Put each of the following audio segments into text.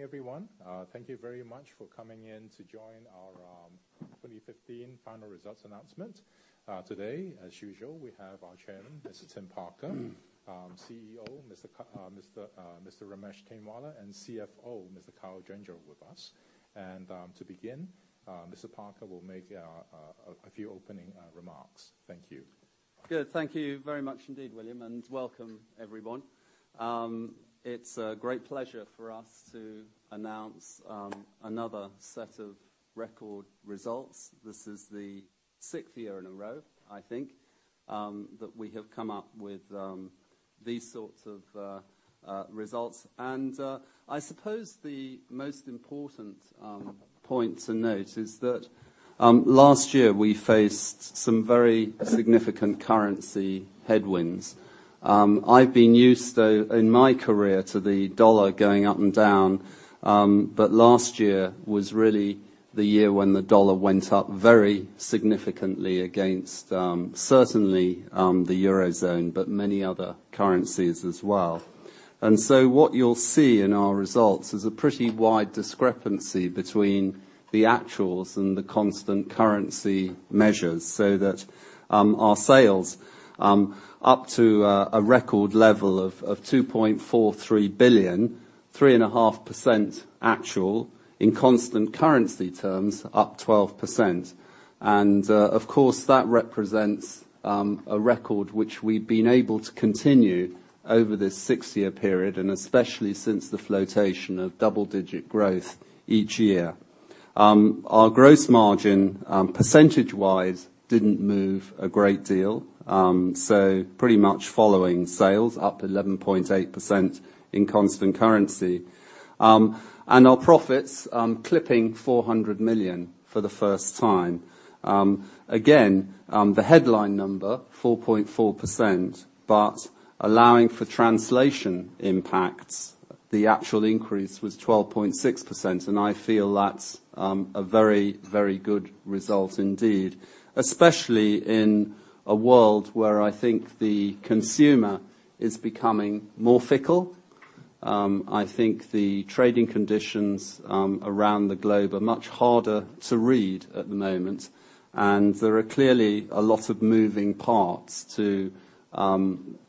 Morning, everyone. Thank you very much for coming in to join our 2015 final results announcement. Today, as usual, we have our Chairman, Mr. Tim Parker, CEO, Mr. Ramesh Tainwala, and CFO, Mr. Kyle Gendreau with us. To begin, Mr. Parker will make a few opening remarks. Thank you. Good. Thank you very much indeed, William, and welcome everyone. It's a great pleasure for us to announce another set of record results. This is the sixth year in a row, I think, that we have come up with these sorts of results. I suppose the most important point to note is that last year we faced some very significant currency headwinds. I've been used though, in my career, to the dollar going up and down. Last year was really the year when the dollar went up very significantly against, certainly the Eurozone, but many other currencies as well. What you'll see in our results is a pretty wide discrepancy between the actuals and the constant currency measures, so that our sales up to a record level of $2.43 billion, 3.5% actual. In constant currency terms, up 12%. Of course, that represents a record which we've been able to continue over this six-year period, and especially since the flotation of double-digit growth each year. Our gross margin, percentage-wise, didn't move a great deal. Pretty much following sales, up 11.8% in constant currency. Our profits clipping $400 million for the first time. Again, the headline number 4.4%, but allowing for translation impacts, the actual increase was 12.6%, and I feel that's a very good result indeed, especially in a world where I think the consumer is becoming more fickle. I think the trading conditions around the globe are much harder to read at the moment, and there are clearly a lot of moving parts to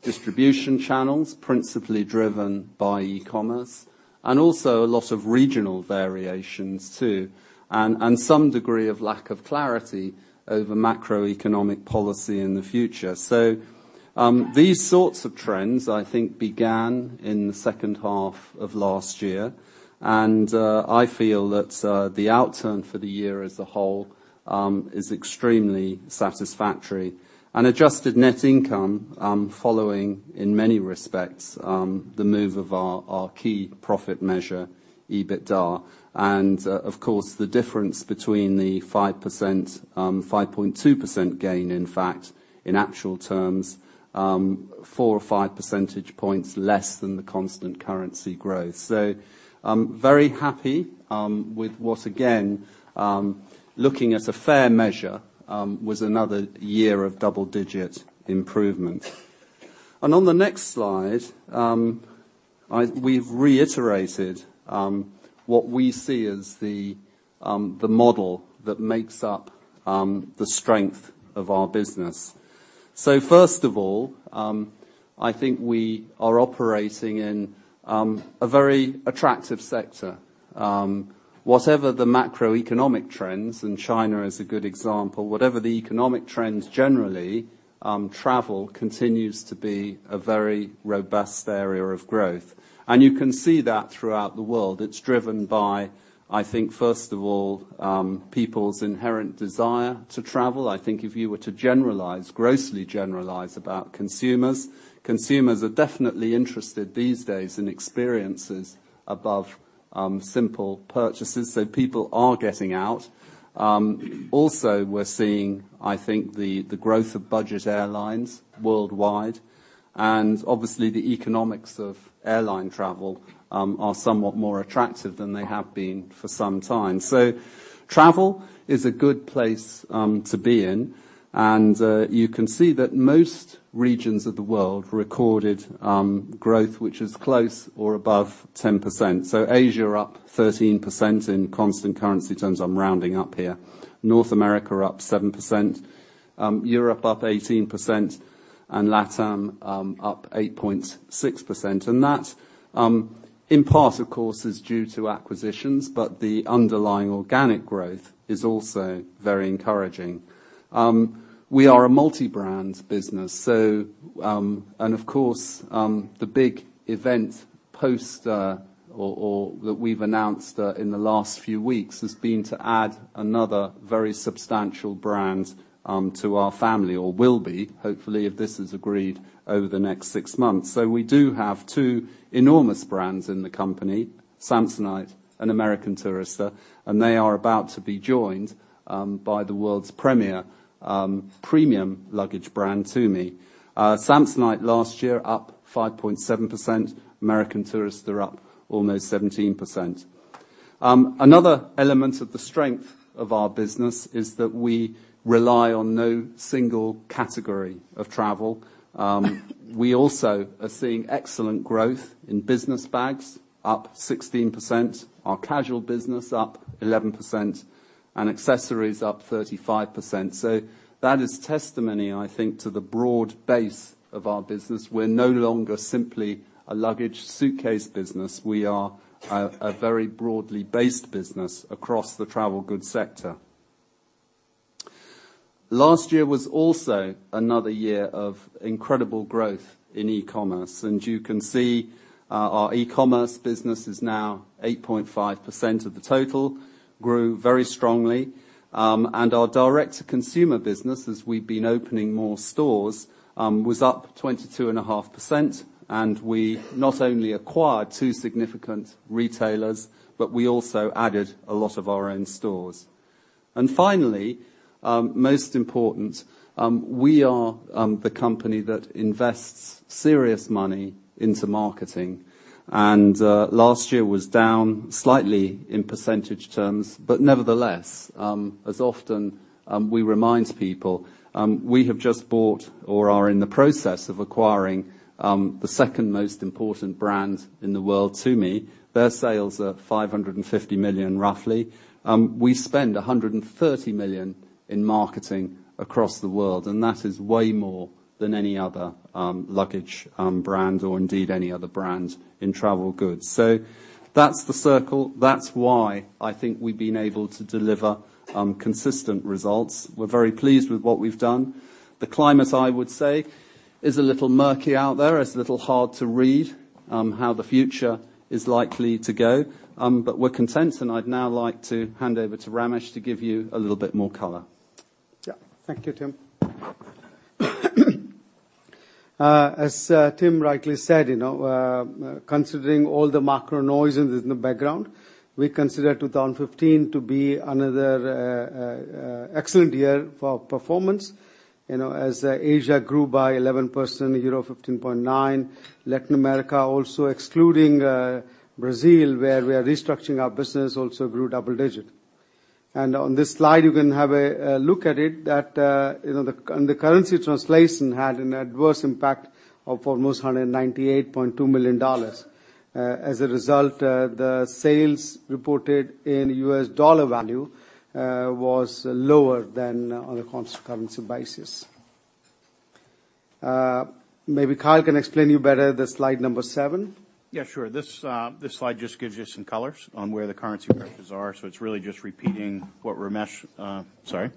distribution channels, principally driven by e-commerce, and also a lot of regional variations too, and some degree of lack of clarity over macroeconomic policy in the future. These sorts of trends, I think, began in the second half of last year. I feel that the outturn for the year as a whole is extremely satisfactory. Adjusted net income following, in many respects, the move of our key profit measure, EBITDA. Of course, the difference between the 5%, 5.2% gain, in fact, in actual terms, four or five percentage points less than the constant currency growth. Very happy with what, again, looking at a fair measure, was another year of double-digit improvement. On the next slide, we've reiterated what we see as the model that makes up the strength of our business. First of all, I think we are operating in a very attractive sector. Whatever the macroeconomic trends, and China is a good example, whatever the economic trends generally, travel continues to be a very robust area of growth. You can see that throughout the world. It's driven by, I think, first of all, people's inherent desire to travel. I think if you were to generalize, grossly generalize about consumers are definitely interested these days in experiences above simple purchases. People are getting out. We are seeing, I think, the growth of budget airlines worldwide. Obviously, the economics of airline travel are somewhat more attractive than they have been for some time. Travel is a good place to be in. You can see that most regions of the world recorded growth, which is close or above 10%. Asia up 13% in constant currency terms. I am rounding up here. North America up 7%, Europe up 18%, and LATAM up 8.6%. That in part, of course, is due to acquisitions, but the underlying organic growth is also very encouraging. We are a multi-brand business. Of course, the big event post or that we have announced in the last few weeks has been to add another very substantial brand to our family or will be, hopefully, if this is agreed over the next six months. We do have two enormous brands in the company, Samsonite and American Tourister, and they are about to be joined by the world's premier premium luggage brand, Tumi. Samsonite last year up 5.7%, American Tourister up almost 17%. Another element of the strength of our business is that we rely on no single category of travel. We also are seeing excellent growth in business bags, up 16%, our casual business up 11%, and accessories up 35%. That is testimony, I think, to the broad base of our business. We are no longer simply a luggage suitcase business. We are a very broadly based business across the travel goods sector. Last year was also another year of incredible growth in e-commerce. You can see our e-commerce business is now 8.5% of the total, grew very strongly. Our direct-to-consumer business, as we have been opening more stores, was up 22.5%. We not only acquired two significant retailers, but we also added a lot of our own stores. Finally, most important, we are the company that invests serious money into marketing, and last year was down slightly in percentage terms, but nevertheless, as often we remind people, we have just bought or are in the process of acquiring the second most important brand in the world, Tumi. Their sales are 550 million, roughly. We spend 130 million in marketing across the world. That is way more than any other luggage brand or indeed any other brand in travel goods. That is the circle. That is why I think we have been able to deliver consistent results. We are very pleased with what we have done. The climate, I would say, is a little murky out there. It is a little hard to read how the future is likely to go. We are content, and I would now like to hand over to Ramesh to give you a little bit more color. Yeah. Thank you, Tim. As Tim rightly said, considering all the macro noise in the background, we consider 2015 to be another excellent year for our performance. Asia grew by 11%, Europe 15.9%, Latin America also, excluding Brazil, where we are restructuring our business, also grew double digit. On this slide, you can have a look at it that the currency translation had an adverse impact of almost $198.2 million. As a result, the sales reported in US dollar value was lower than on a constant currency basis. Maybe Kyle can explain you better the slide number seven. Yeah, sure. This slide just gives you some colors on where the currency pressures are. It's really just repeating what Ramesh, sorry,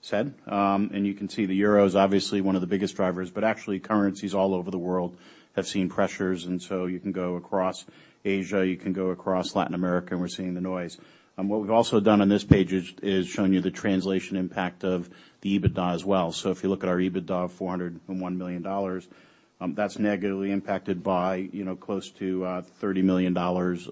said. You can see the euro is obviously one of the biggest drivers, but actually currencies all over the world have seen pressures. You can go across Asia, you can go across Latin America, and we're seeing the noise. What we've also done on this page is showing you the translation impact of the EBITDA as well. If you look at our EBITDA of $401 million, that's negatively impacted by close to $30 million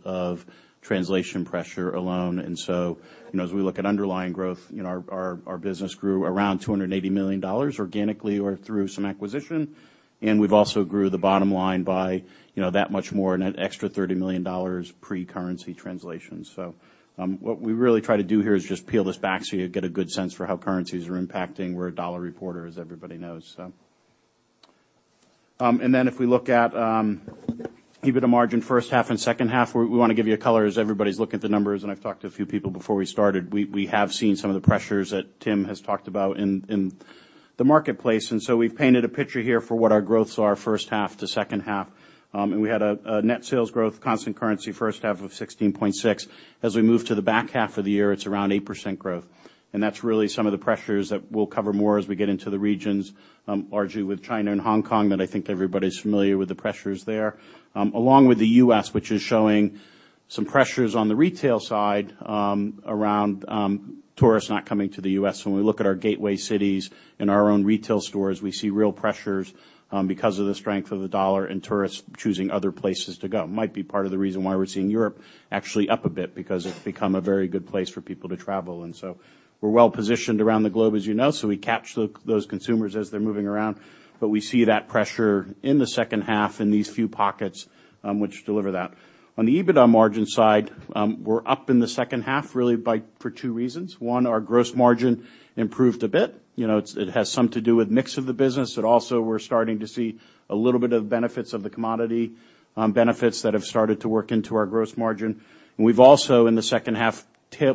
of translation pressure alone. As we look at underlying growth, our business grew around $280 million organically or through some acquisition. We've also grew the bottom line by that much more, an extra $30 million pre-currency translation. What we really try to do here is just peel this back so you get a good sense for how currencies are impacting. We're a dollar reporter, as everybody knows. If we look at EBITDA margin first half and second half, we want to give you a color as everybody's looking at the numbers, and I've talked to a few people before we started. We have seen some of the pressures that Tim has talked about in the marketplace, we've painted a picture here for what our growths are first half to second half. We had a net sales growth, constant currency, first half of 16.6%. As we move to the back half of the year, it's around 8% growth. That's really some of the pressures that we'll cover more as we get into the regions, largely with China and Hong Kong, that I think everybody's familiar with the pressures there. Along with the U.S., which is showing some pressures on the retail side around tourists not coming to the U.S. When we look at our gateway cities and our own retail stores, we see real pressures because of the strength of the dollar and tourists choosing other places to go. Might be part of the reason why we're seeing Europe actually up a bit, because it's become a very good place for people to travel. We're well-positioned around the globe, as you know, so we capture those consumers as they're moving around. We see that pressure in the second half in these few pockets which deliver that. On the EBITDA margin side, we're up in the second half really for two reasons. One, our gross margin improved a bit. It has something to do with mix of the business, also we're starting to see a little bit of benefits of the commodity benefits that have started to work into our gross margin. We've also, in the second half,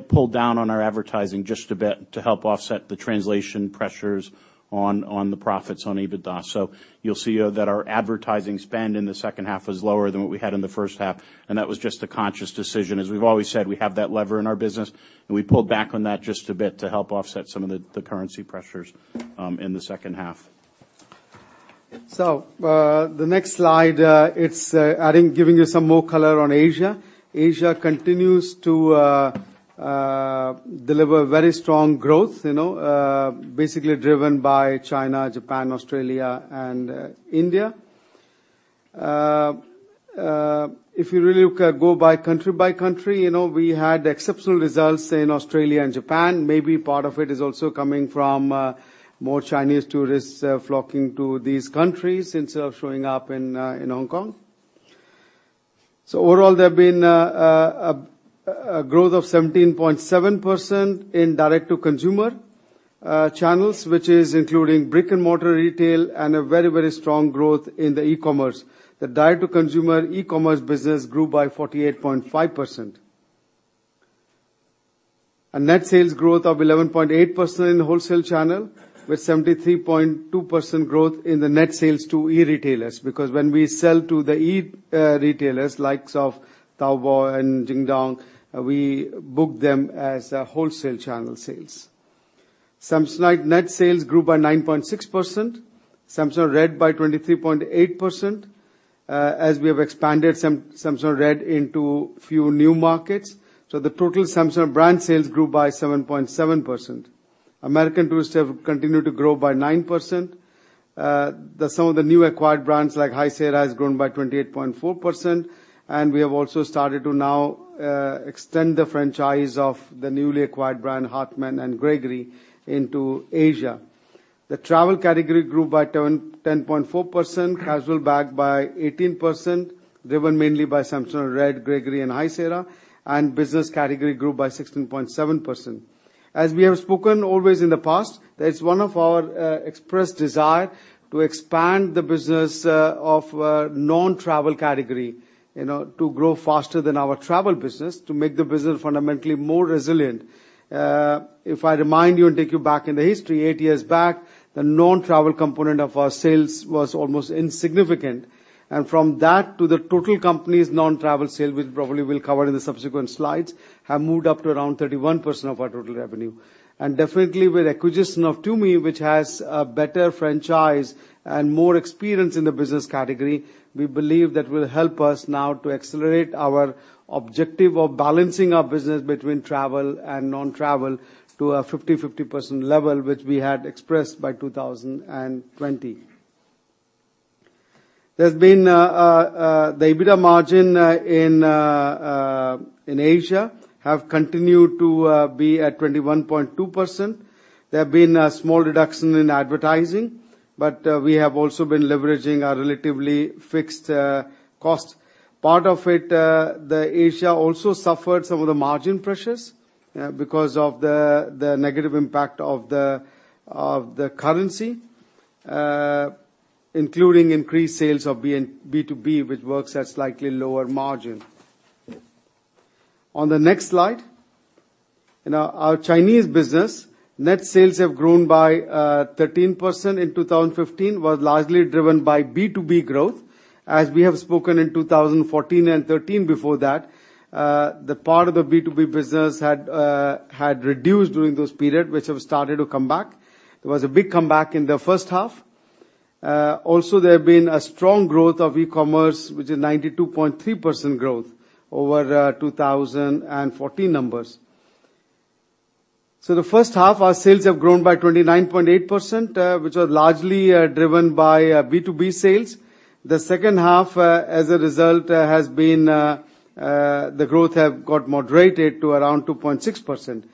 pulled down on our advertising just a bit to help offset the translation pressures on the profits on EBITDA. You'll see that our advertising spend in the second half was lower than what we had in the first half, that was just a conscious decision. As we've always said, we have that lever in our business, we pulled back on that just a bit to help offset some of the currency pressures in the second half. The next slide, it's, I think, giving you some more color on Asia. Asia continues to deliver very strong growth, basically driven by China, Japan, Australia, and India. If you really go by country by country, we had exceptional results in Australia and Japan. Maybe part of it is also coming from more Chinese tourists flocking to these countries instead of showing up in Hong Kong. Overall, there have been a growth of 17.7% in direct-to-consumer channels, which is including brick-and-mortar retail and a very strong growth in the e-commerce. The direct-to-consumer e-commerce business grew by 48.5%. A net sales growth of 11.8% in the wholesale channel, with 73.2% growth in the net sales to e-retailers. When we sell to the e-retailers likes of Taobao and Jingdong, we book them as wholesale channel sales. Samsonite net sales grew by 9.6%. Samsonite Red by 23.8%, as we have expanded Samsonite Red into few new markets. The total Samsonite brand sales grew by 7.7%. American Tourister have continued to grow by 9%. Some of the new acquired brands like High Sierra has grown by 28.4%, and we have also started to now extend the franchise of the newly acquired brand, Hartmann and Gregory, into Asia. The travel category grew by 10.4%, casual bag by 18%, driven mainly by Samsonite Red, Gregory and High Sierra, and business category grew by 16.7%. As we have spoken always in the past, that is one of our expressed desire to expand the business of non-travel category, to grow faster than our travel business, to make the business fundamentally more resilient. If I remind you and take you back in the history, eight years back, the non-travel component of our sales was almost insignificant. From that to the total company's non-travel sale, which probably we'll cover in the subsequent slides, have moved up to around 31% of our total revenue. Definitely with acquisition of Tumi, which has a better franchise and more experience in the business category, we believe that will help us now to accelerate our objective of balancing our business between travel and non-travel to a 50/50% level, which we had expressed by 2020. The EBITDA margin in Asia have continued to be at 21.2%. There have been a small reduction in advertising, we have also been leveraging our relatively fixed costs. Part of it, the Asia also suffered some of the margin pressures because of the negative impact of the currency, including increased sales of B2B, which works at slightly lower margin. On the next slide. In our Chinese business, net sales have grown by 13% in 2015, was largely driven by B2B growth. As we have spoken in 2014 and 2013 before that, the part of the B2B business had reduced during those periods, which have started to come back. There was a big comeback in the first half. There have been a strong growth of e-commerce, which is 92.3% growth over 2014 numbers. The first half, our sales have grown by 29.8%, which was largely driven by B2B sales. The second half, as a result, the growth have got moderated to around 2.6%.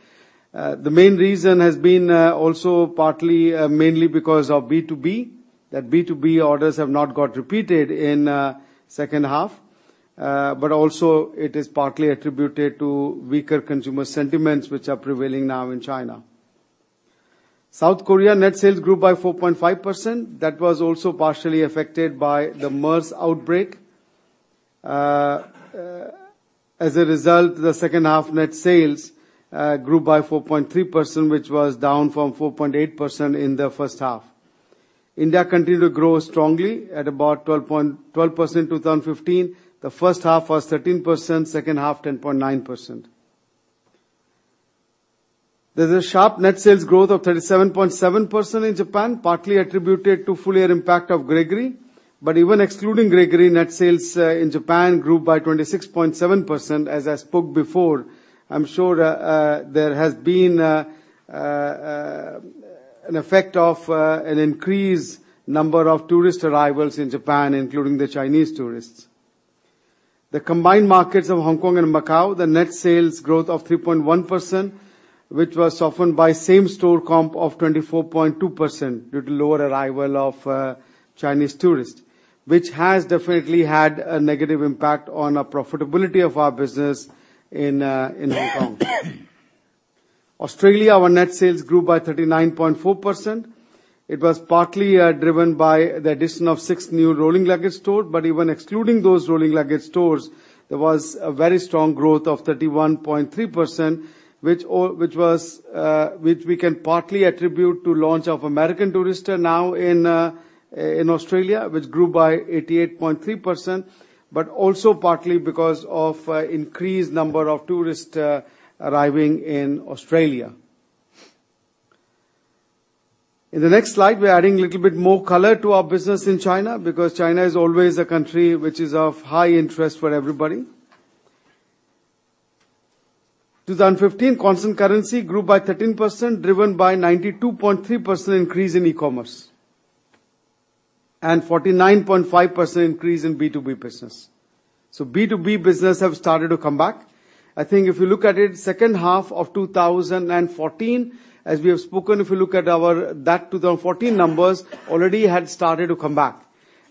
The main reason has been also partly mainly because of B2B, that B2B orders have not got repeated in second half. It is partly attributed to weaker consumer sentiments which are prevailing now in China. South Korea net sales grew by 4.5%. That was also partially affected by the MERS outbreak. As a result, the second half net sales grew by 4.3%, which was down from 4.8% in the first half. India continued to grow strongly at about 12% in 2015. The first half was 13%, second half, 10.9%. There is a sharp net sales growth of 37.7% in Japan, partly attributed to full year impact of Gregory. Even excluding Gregory, net sales in Japan grew by 26.7%, as I spoke before. I am sure there has been an effect of an increased number of tourist arrivals in Japan, including the Chinese tourists. The combined markets of Hong Kong and Macau, the net sales growth of 3.1%, which was softened by same-store comp of 24.2% due to lower arrival of Chinese tourists, which has definitely had a negative impact on our profitability of our business in Hong Kong. Australia, our net sales grew by 39.4%. It was partly driven by the addition of 6 new Rolling Luggage stores. Even excluding those Rolling Luggage stores, there was a very strong growth of 31.3%, which we can partly attribute to launch of American Tourister now in Australia, which grew by 88.3%, but also partly because of increased number of tourists arriving in Australia. In the next slide, we are adding a little bit more color to our business in China, because China is always a country which is of high interest for everybody. 2015, constant currency grew by 13%, driven by 92.3% increase in e-commerce. 49.5% increase in B2B business. B2B business have started to come back. I think if you look at it, second half of 2014, as we have spoken, if you look at our that 2014 numbers, already had started to come back.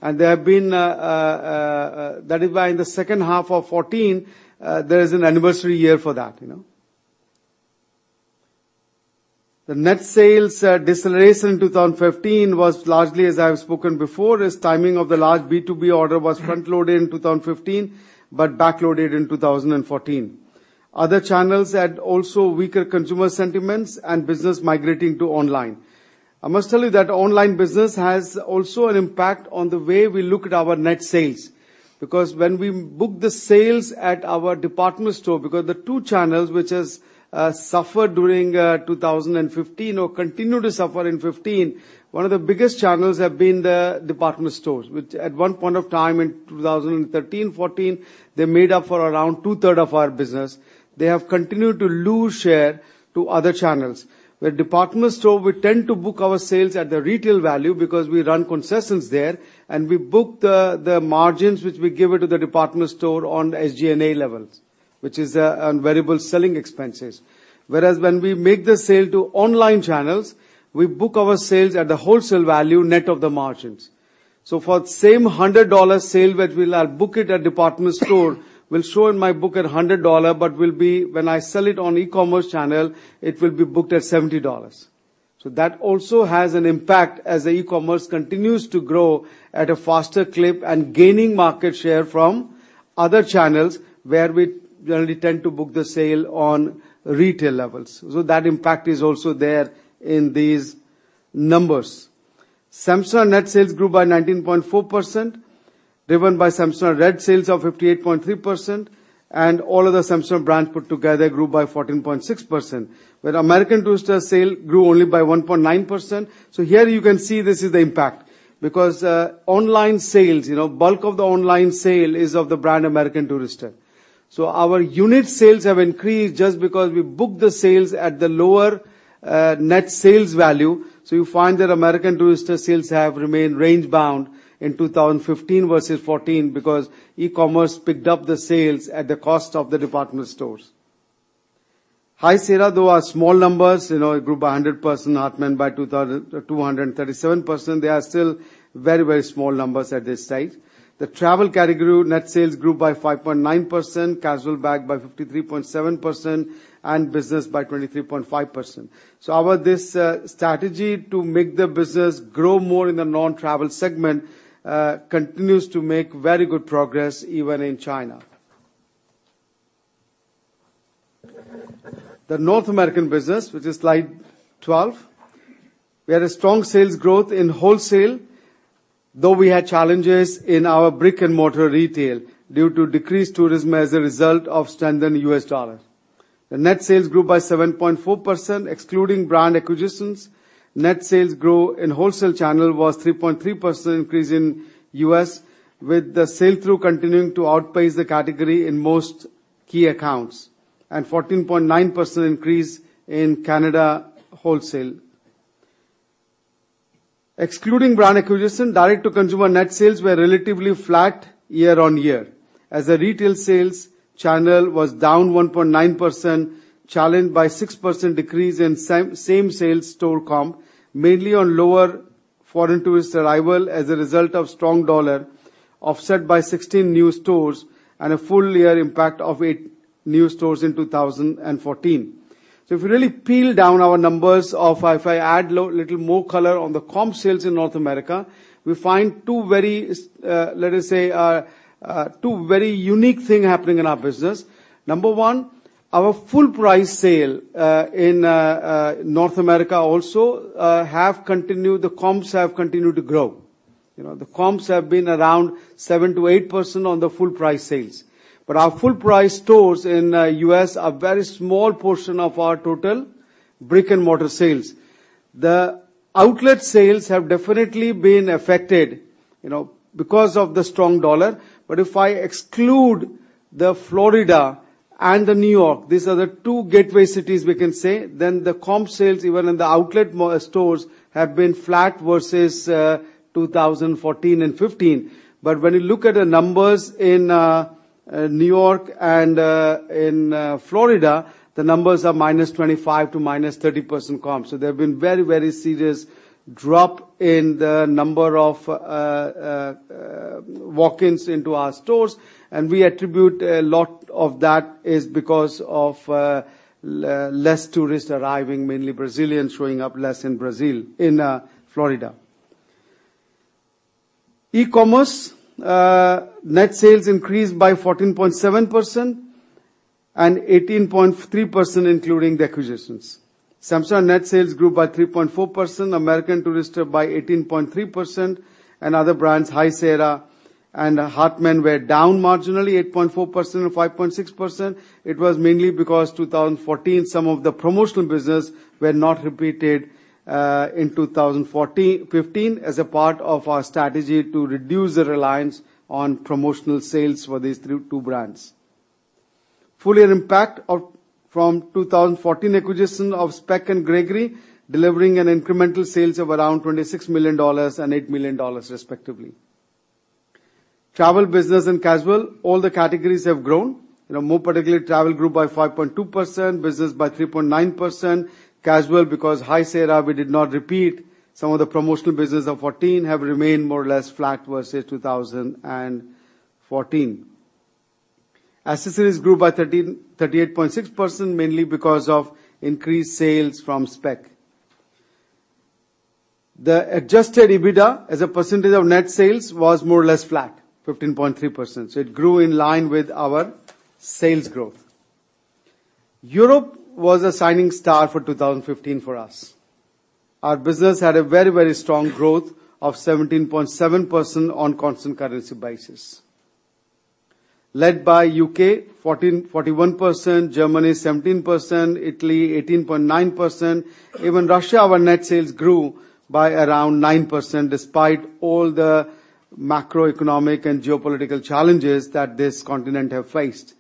There have been. That is why in the second half of 2014, there is an anniversary year for that. The net sales deceleration in 2015 was largely, as I have spoken before, is timing of the large B2B order was front-loaded in 2015, but back-loaded in 2014. Other channels had also weaker consumer sentiments and business migrating to online. I must tell you that online business has also an impact on the way we look at our net sales. When we book the sales at our department store, because the two channels which has suffered during 2015 or continued to suffer in 2015, one of the biggest channels have been the department stores. Which at one point of time in 2013, 2014, they made up for around 2/3 of our business. They have continued to lose share to other channels. Department store, we tend to book our sales at the retail value because we run concessions there, and we book the margins which we give it to the department store on SG&A levels, which is on variable selling expenses. When we make the sale to online channels, we book our sales at the wholesale value net of the margins. For the same $100 sale that we'll now book it at department store, will show in my book at $100, but when I sell it on e-commerce channel, it will be booked at $70. That also has an impact as the e-commerce continues to grow at a faster clip and gaining market share from other channels, where we generally tend to book the sale on retail levels. That impact is also there in these numbers. Samsonite net sales grew by 19.4%, driven by Samsonite Red sales of 58.3%, and all other Samsonite brands put together grew by 14.6%. American Tourister sale grew only by 1.9%. Here you can see this is the impact. Because online sales, bulk of the online sale is of the brand American Tourister. Our unit sales have increased just because we book the sales at the lower net sales value. You find that American Tourister sales have remained range-bound in 2015 versus 2014 because e-commerce picked up the sales at the cost of the department stores. High Sierra, though small numbers, it grew by 100%, Hartmann by 237%, they are still very, very small numbers at this stage. The travel category net sales grew by 5.9%, casual bag by 53.7%, and business by 23.5%. Our this strategy to make the business grow more in the non-travel segment, continues to make very good progress even in China. The North American business, which is slide 12. We had a strong sales growth in wholesale, though we had challenges in our brick-and-mortar retail due to decreased tourism as a result of strengthening U.S. dollar. The net sales grew by 7.4%, excluding brand acquisitions. Net sales grow in wholesale channel was 3.3% increase in U.S., with the sell-through continuing to outpace the category in most key accounts, and 14.9% increase in Canada wholesale. Excluding brand acquisition, direct-to-consumer net sales were relatively flat year-over-year. As a retail sales channel was down 1.9%, challenged by 6% decrease in same-store comp, mainly on lower foreign tourist arrival as a result of strong dollar, offset by 16 new stores and a full year impact of eight new stores in 2014. If you really peel down our numbers of if I add little more color on the comp sales in North America, we find two very, let us say, two very unique thing happening in our business. Number one, our full price sale, in North America also have continued, the comps have continued to grow. The comps have been around 7%-8% on the full price sales. Our full price stores in U.S. are very small portion of our total brick-and-mortar sales. The outlet sales have definitely been affected, because of the strong dollar. If I exclude the Florida and the New York, these are the two gateway cities we can say, then the comp sales even in the outlet stores have been flat versus 2014 and 2015. When you look at the numbers in New York and in Florida, the numbers are -25% to -30% comp. There have been very, very serious drop in the number of walk-ins into our stores, and we attribute a lot of that is because of less tourists arriving, mainly Brazilians showing up less in Florida. E-commerce net sales increased by 14.7% and 18.3% including the acquisitions. Samsonite net sales grew by 3.4%, American Tourister by 18.3%, and other brands, High Sierra and Hartmann were down marginally 8.4% and 5.6%. It was mainly because 2014, some of the promotional business were not repeated, in 2015 as a part of our strategy to reduce the reliance on promotional sales for these two brands. Full year impact from 2014 acquisition of Speck and Gregory, delivering an incremental sales of around $26 million and $8 million respectively. Travel, business, and casual, all the categories have grown. More particularly, travel grew by 5.2%, business by 3.9%, casual, because High Sierra we did not repeat some of the promotional business of 2014 have remained more or less flat versus 2014. Accessories grew by 38.6%, mainly because of increased sales from Speck. The adjusted EBITDA as a percentage of net sales was more or less flat, 15.3%. It grew in line with our sales growth. Europe was a shining star for 2015 for us. Our business had a very strong growth of 17.7% on constant currency basis. Led by U.K., 41%, Germany 17%, Italy 18.9%. Even Russia, our net sales grew by around 9%, despite all the macroeconomic and geopolitical challenges that this continent have faced.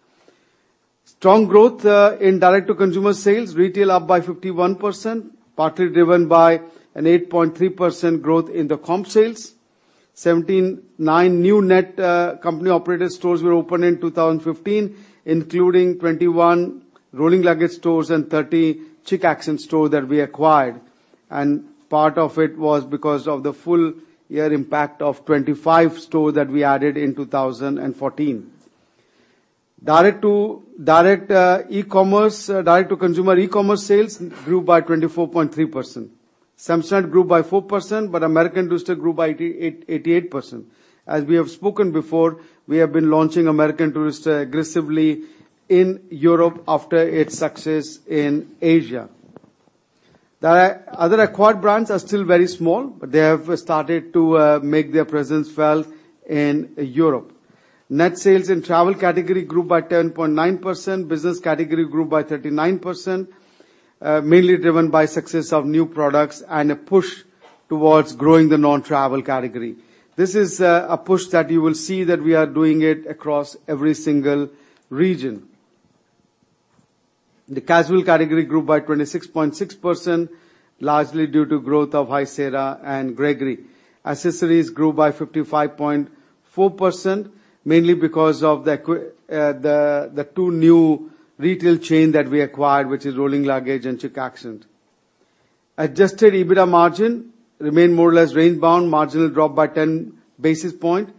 Strong growth in direct-to-consumer sales. Retail up by 51%, partly driven by an 8.3% growth in the comp sales. 79 new net company-operated stores were opened in 2015, including 21 Rolling Luggage stores and 30 Chic Accent stores that we acquired. Part of it was because of the full year impact of 25 stores that we added in 2014. Direct-to-consumer e-commerce sales grew by 24.3%. Samsonite grew by 4%, American Tourister grew by 88%. As we have spoken before, we have been launching American Tourister aggressively in Europe after its success in Asia. The other acquired brands are still very small, they have started to make their presence felt in Europe. Net sales in travel category grew by 10.9%. Business category grew by 39%, mainly driven by success of new products and a push towards growing the non-travel category. This is a push that you will see that we are doing it across every single region. The casual category grew by 26.6%, largely due to growth of High Sierra and Gregory. Accessories grew by 55.4%, mainly because of the two new retail chain that we acquired, which is Rolling Luggage and Chic Accent. Adjusted EBITDA margin remained more or less range bound. Margin dropped by 10 basis points.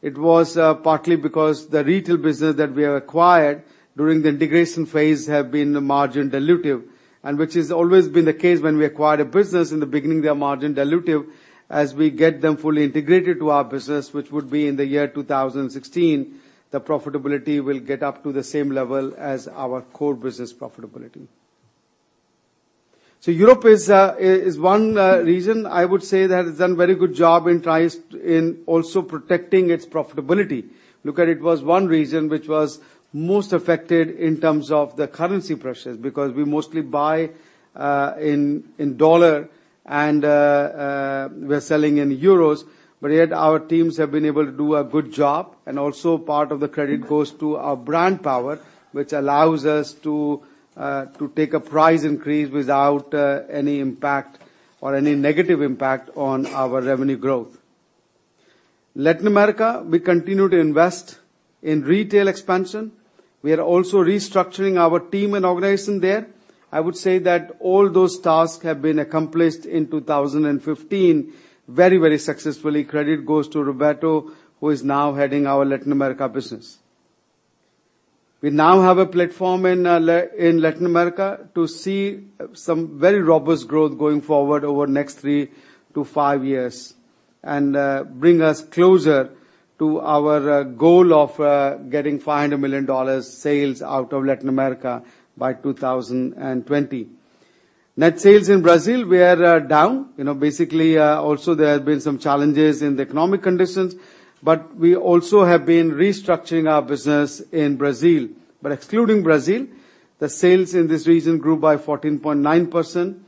It was partly because the retail business that we have acquired during the integration phase have been margin dilutive, which has always been the case when we acquired a business. In the beginning, they are margin dilutive. As we get them fully integrated to our business, which would be in the year 2016, the profitability will get up to the same level as our core business profitability. Europe is one region I would say that has done very good job in also protecting its profitability. Look at it, was one region which was most affected in terms of the currency pressures, because we mostly buy in dollar and we're selling in euros. Yet our teams have been able to do a good job. Also part of the credit goes to our brand power, which allows us to take a price increase without any impact or any negative impact on our revenue growth. Latin America. We continue to invest in retail expansion. We are also restructuring our team and organization there. I would say that all those tasks have been accomplished in 2015 very successfully. Credit goes to Roberto, who is now heading our Latin America business. We now have a platform in Latin America to see some very robust growth going forward over next three to five years, and bring us closer to our goal of getting $500 million sales out of Latin America by 2020. Net sales in Brazil were down. Also there have been some challenges in the economic conditions. We also have been restructuring our business in Brazil. Excluding Brazil, the sales in this region grew by 14.9%.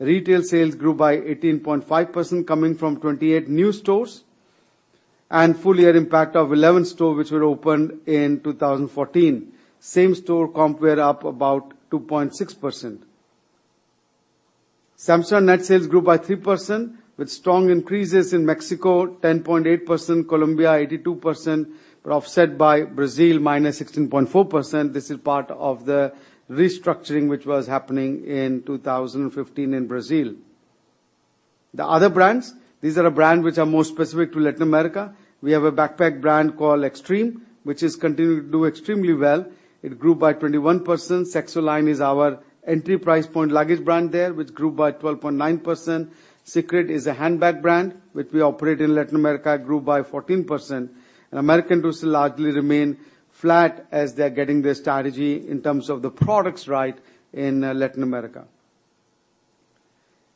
Retail sales grew by 18.5%, coming from 28 new stores, and full year impact of 11 stores which were opened in 2014. Same-store comp were up about 2.6%. Samsonite net sales grew by 3%, with strong increases in Mexico, 10.8%, Colombia, 82%, but offset by Brazil, minus 16.4%. This is part of the restructuring which was happening in 2015 in Brazil. The other brands, these are brands which are more specific to Latin America. We have a backpack brand called Xtrem, which has continued to do extremely well. It grew by 21%. Saxoline is our entry price point luggage brand there, which grew by 12.9%. Secret is a handbag brand, which we operate in Latin America, grew by 14%. American Tourister largely remained flat as they're getting their strategy in terms of the products right in Latin America.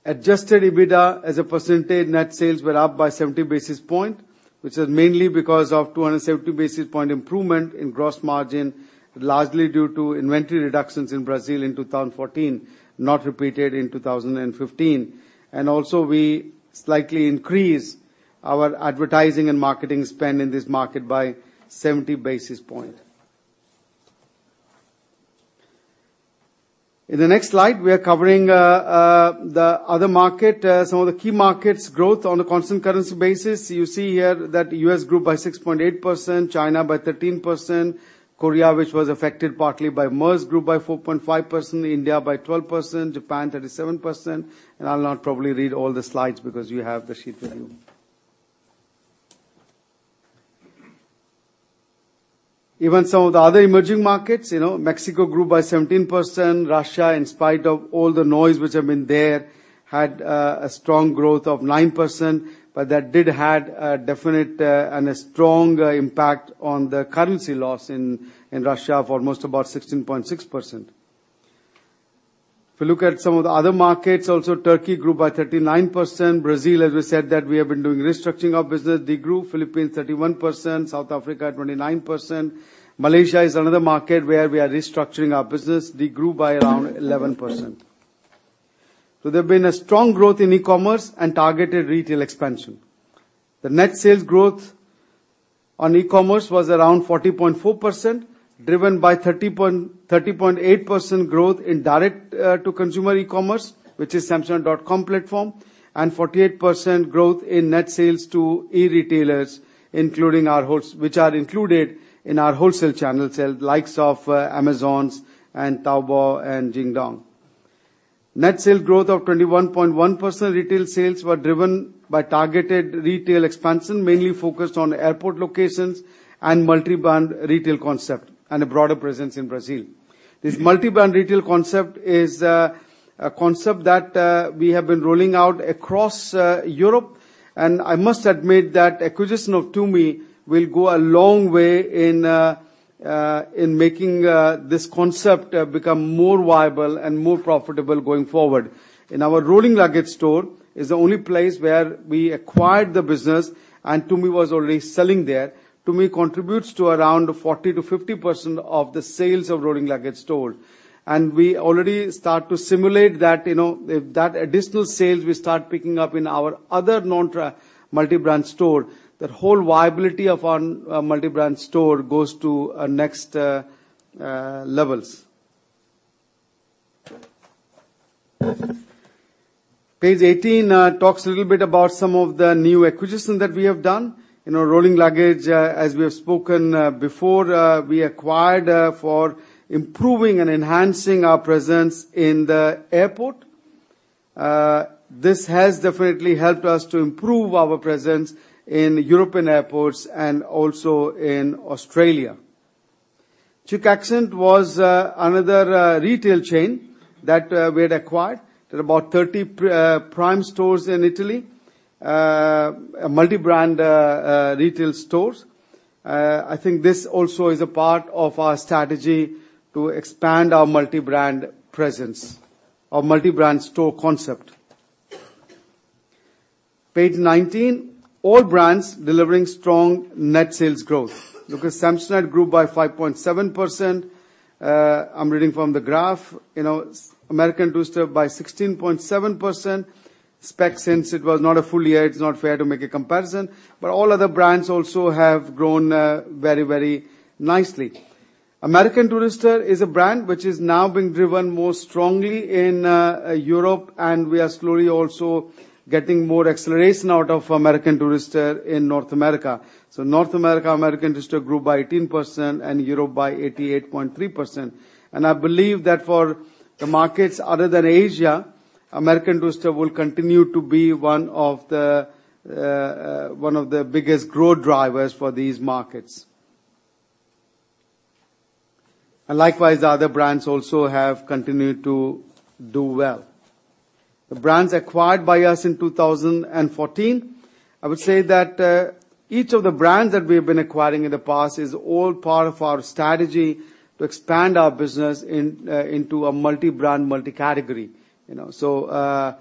Adjusted EBITDA as a percentage net sales were up by 70 basis points, which is mainly because of 270 basis points improvement in gross margin, largely due to inventory reductions in Brazil in 2014, not repeated in 2015. Also, we slightly increased our advertising and marketing spend in this market by 70 basis points. In the next slide, we are covering the other market, some of the key markets growth on the constant currency basis. You see here that U.S. grew by 6.8%, China by 13%, Korea, which was affected partly by MERS, grew by 4.5%, India by 12%, Japan 37%. I'll not probably read all the slides because you have the sheet with you. Even some of the other emerging markets, Mexico grew by 17%. Russia, in spite of all the noise which have been there, had a strong growth of 9%. That did have a definite and a strong impact on the currency loss in Russia for almost about 16.6%. If you look at some of the other markets also, Turkey grew by 39%. Brazil, as we said we have been doing restructuring our business, they grew. Philippines 31%, South Africa 29%. Malaysia is another market where we are restructuring our business. They grew by around 11%. There have been a strong growth in e-commerce and targeted retail expansion. The net sales growth on e-commerce was around 40.4%, driven by 30.8% growth in direct-to-consumer e-commerce, which is samsonite.com platform, and 48% growth in net sales to e-retailers which are included in our wholesale channel sales, likes of Amazon and Taobao and Jingdong. Net sales growth of 21.1% retail sales were driven by targeted retail expansion, mainly focused on airport locations and multi-brand retail concept, and a broader presence in Brazil. This multi-brand retail concept is a concept that we have been rolling out across Europe. I must admit that acquisition of Tumi will go a long way in making this concept become more viable and more profitable going forward. In our Rolling Luggage store is the only place where we acquired the business. Tumi was already selling there. Tumi contributes to around 40%-50% of the sales of Rolling Luggage store. We already start to simulate that, if that additional sales will start picking up in our other non multi-brand store, that whole viability of our multi-brand store goes to next levels. Page 18 talks a little bit about some of the new acquisition that we have done. Rolling Luggage, as we have spoken before, we acquired for improving and enhancing our presence in the airport. This has definitely helped us to improve our presence in European airports and also in Australia. Chic Accent was another retail chain that we had acquired. There are about 30 prime stores in Italy, multi-brand retail stores. I think this also is a part of our strategy to expand our multi-brand presence, our multi-brand store concept. Page 19. All brands delivering strong net sales growth. Look at Samsonite grew by 5.7%. I'm reading from the graph. American Tourister by 16.7%. Speck, since it was not a full year, it's not fair to make a comparison. All other brands also have grown very nicely. American Tourister is a brand which is now being driven more strongly in Europe. We are slowly also getting more acceleration out of American Tourister in North America. North America, American Tourister grew by 18%. Europe by 88.3%. I believe that for the markets other than Asia, American Tourister will continue to be one of the biggest growth drivers for these markets. Likewise, other brands also have continued to do well. The brands acquired by us in 2014, I would say that each of the brands that we've been acquiring in the past is all part of our strategy to expand our business into a multi-brand, multi-category. As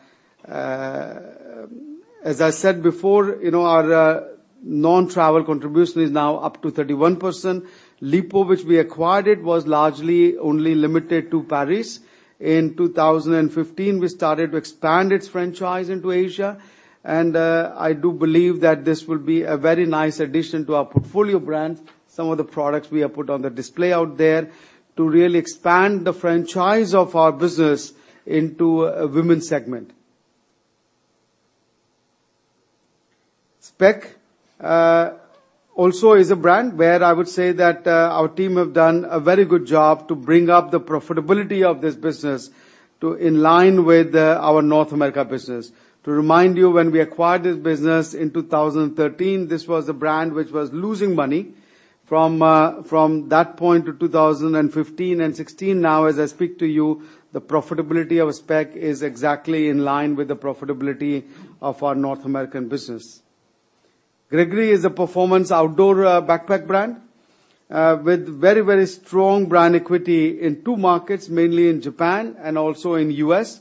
I said before, our non-travel contribution is now up to 31%. Lipault, which we acquired, it was largely only limited to Paris. In 2015, we started to expand its franchise into Asia. I do believe that this will be a very nice addition to our portfolio brand. Some of the products we have put on the display out there to really expand the franchise of our business into a women's segment. Speck also is a brand where I would say that our team have done a very good job to bring up the profitability of this business to in line with our North America business. To remind you, when we acquired this business in 2013, this was the brand which was losing money. From that point to 2015 and 2016, now as I speak to you, the profitability of Speck is exactly in line with the profitability of our North American business. Gregory is a performance outdoor backpack brand, with very strong brand equity in two markets, mainly in Japan and also in U.S.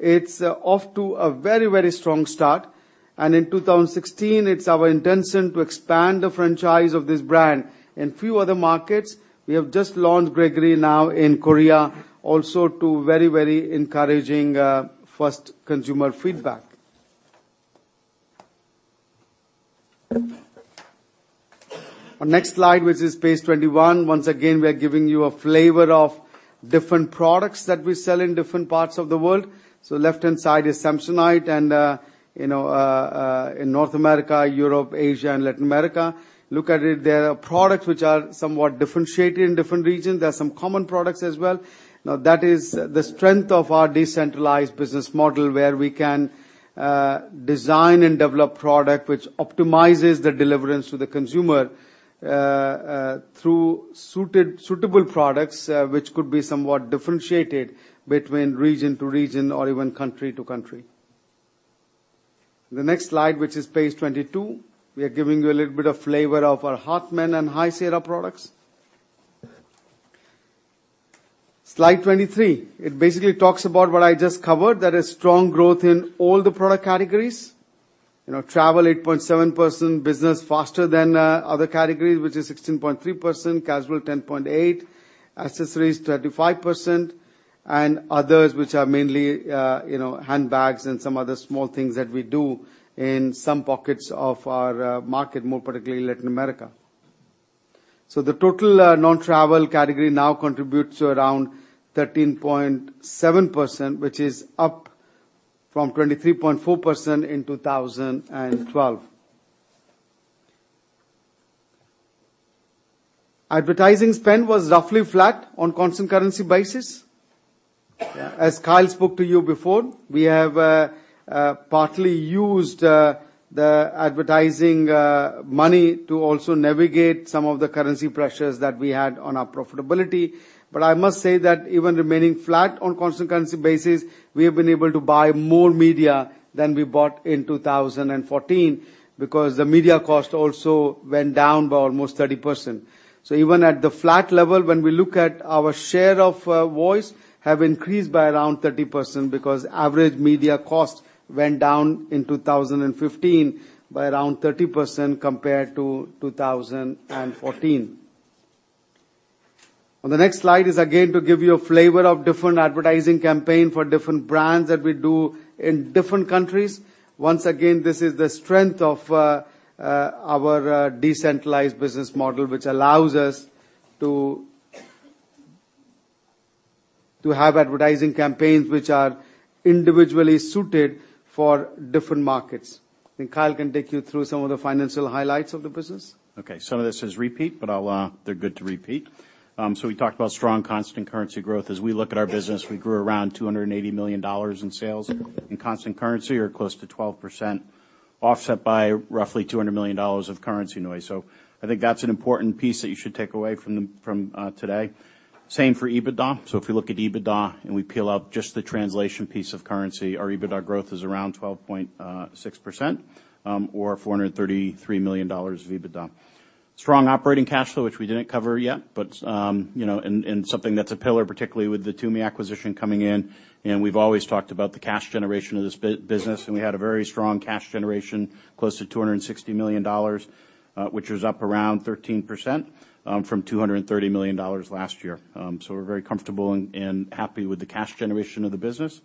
It's off to a very strong start, and in 2016, it's our intention to expand the franchise of this brand in few other markets. We have just launched Gregory now in Korea also to very encouraging first consumer feedback. Our next slide, which is page 21. Once again, we are giving you a flavor of different products that we sell in different parts of the world. Left-hand side is Samsonite in North America, Europe, Asia, and Latin America. Look at it, there are products which are somewhat differentiated in different regions. There are some common products as well. That is the strength of our decentralized business model, where we can design and develop product which optimizes the deliverance to the consumer through suitable products which could be somewhat differentiated between region to region or even country to country. The next slide, which is page 22. We are giving you a little bit of flavor of our Hartmann and High Sierra products. Slide 23. It basically talks about what I just covered. There is strong growth in all the product categories. Travel 8.7%, business faster than other categories, which is 16.3%, casual 10.8%, accessories 35%, and others, which are mainly handbags and some other small things that we do in some pockets of our market, more particularly Latin America. The total non-travel category now contributes to around 31.7%, which is up from 23.4% in 2012. Advertising spend was roughly flat on constant currency basis. As Kyle spoke to you before, we have partly used the advertising money to also navigate some of the currency pressures that we had on our profitability. I must say that even remaining flat on constant currency basis, we have been able to buy more media than we bought in 2014 because the media cost also went down by almost 30%. Even at the flat level, when we look at our share of voice have increased by around 30% because average media cost went down in 2015 by around 30% compared to 2014. On the next slide is again to give you a flavor of different advertising campaign for different brands that we do in different countries. Once again, this is the strength of our decentralized business model, which allows us to have advertising campaigns which are individually suited for different markets. Kyle can take you through some of the financial highlights of the business. Some of this is repeat, but they're good to repeat. We talked about strong constant currency growth. As we look at our business, we grew around $280 million in sales in constant currency or close to 12%, offset by roughly $200 million of currency noise. I think that's an important piece that you should take away from today. Same for EBITDA. If you look at EBITDA and we peel out just the translation piece of currency, our EBITDA growth is around 12.6%, or $433 million of EBITDA. Strong operating cash flow, which we didn't cover yet, and something that's a pillar, particularly with the Tumi acquisition coming in, and we've always talked about the cash generation of this business, and we had a very strong cash generation, close to $260 million, which was up around 13% from $230 million last year. We're very comfortable and happy with the cash generation of the business.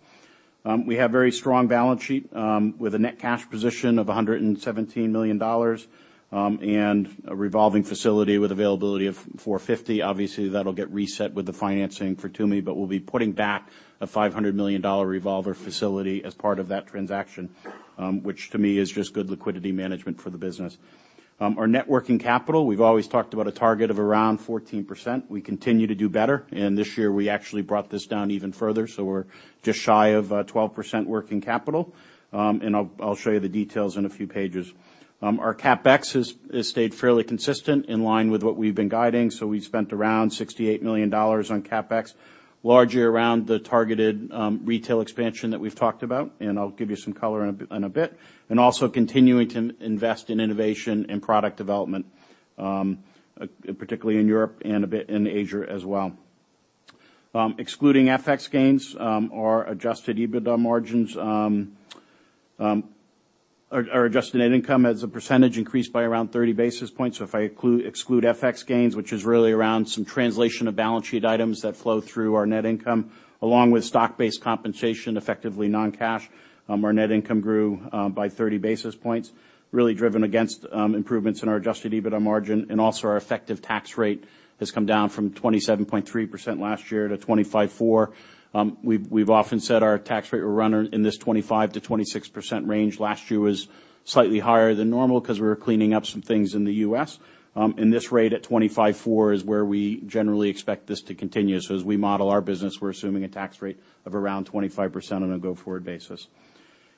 We have very strong balance sheet with a net cash position of $117 million and a revolving facility with availability of $450 million. Obviously, that'll get reset with the financing for Tumi, but we'll be putting back a $500 million revolver facility as part of that transaction, which to me is just good liquidity management for the business. Our net working capital, we've always talked about a target of around 14%. We continue to do better, and this year, we actually brought this down even further, so we're just shy of 12% working capital. I'll show you the details in a few pages. Our CapEx has stayed fairly consistent in line with what we've been guiding. We spent around $68 million on CapEx, largely around the targeted retail expansion that we've talked about, and I'll give you some color in a bit. Also continuing to invest in innovation and product development, particularly in Europe and a bit in Asia as well. Excluding FX gains, our adjusted EBITDA margins-- our adjusted net income as a percentage increased by around 30 basis points. If I exclude FX gains, which is really around some translation of balance sheet items that flow through our net income, along with stock-based compensation, effectively non-cash, our net income grew by 30 basis points, really driven against improvements in our adjusted EBITDA margin. Also our effective tax rate has come down from 27.3% last year to 25.4%. We've often said our tax rate will run in this 25%-26% range. Last year was slightly higher than normal because we were cleaning up some things in the U.S., and this rate at 25.4% is where we generally expect this to continue. As we model our business, we're assuming a tax rate of around 25% on a go-forward basis.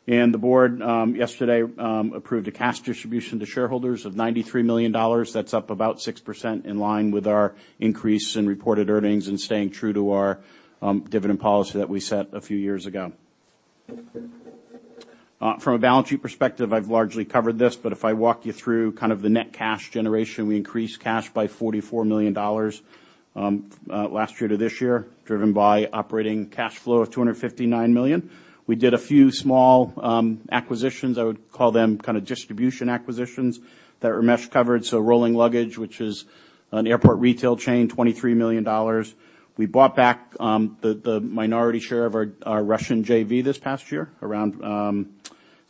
The board yesterday approved a cash distribution to shareholders of $93 million. That's up about 6% in line with our increase in reported earnings and staying true to our dividend policy that we set a few years ago. From a balance sheet perspective, I've largely covered this, but if I walk you through kind of the net cash generation, we increased cash by $44 million last year to this year, driven by operating cash flow of $259 million. We did a few small acquisitions, I would call them kind of distribution acquisitions that Ramesh covered. Rolling Luggage, which is an airport retail chain, $23 million. We bought back the minority share of our Russian JV this past year around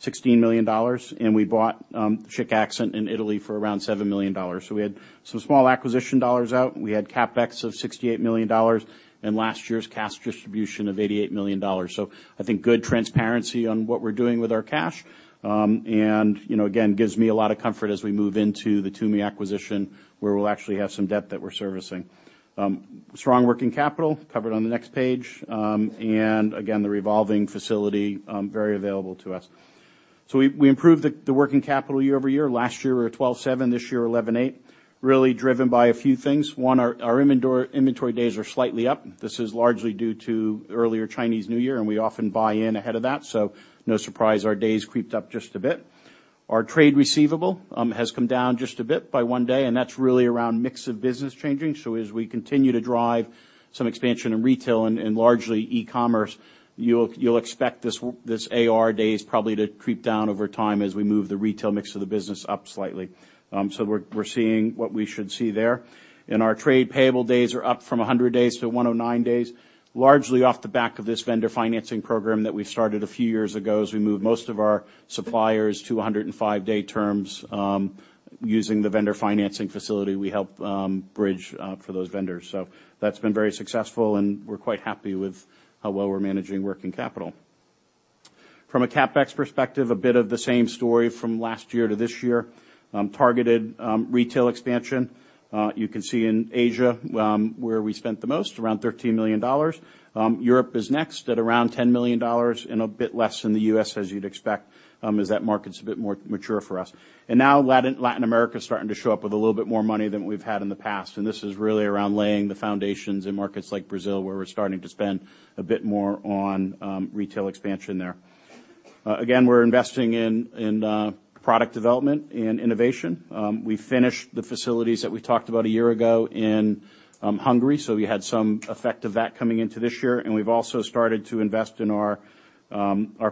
$16 million. We bought Chic Accent in Italy for around $7 million. We had some small acquisition dollars out. We had CapEx of $68 million and last year's cash distribution of $88 million. Again, gives me a lot of comfort as we move into the Tumi acquisition, where we'll actually have some debt that we're servicing. Strong working capital, covered on the next page. Again, the revolving facility, very available to us. We improved the working capital year-over-year. Last year, we were 12.7. This year, 11.8. Really driven by a few things. One, our inventory days are slightly up. This is largely due to the earlier Chinese New Year. We often buy in ahead of that, no surprise our days creeped up just a bit. Our trade receivable has come down just a bit by one day. That's really around mix of business changing. As we continue to drive some expansion in retail and largely e-commerce, you'll expect these AR days probably to creep down over time as we move the retail mix of the business up slightly. We're seeing what we should see there. Our trade payable days are up from 100 days to 109 days, largely off the back of this vendor financing program that we started a few years ago as we moved most of our suppliers to 105-day terms. Using the vendor financing facility, we help bridge for those vendors. That's been very successful. We're quite happy with how well we're managing working capital. From a CapEx perspective, a bit of the same story from last year to this year. Targeted retail expansion. You can see in Asia, where we spent the most, around $13 million. Europe is next at around $10 million and a bit less in the U.S., as you'd expect, as that market's a bit more mature for us. Now Latin America is starting to show up with a little bit more money than we've had in the past. This is really around laying the foundations in markets like Brazil, where we're starting to spend a bit more on retail expansion there. Again, we're investing in product development and innovation. We finished the facilities that we talked about a year ago in Hungary. We had some effect of that coming into this year. We've also started to invest in our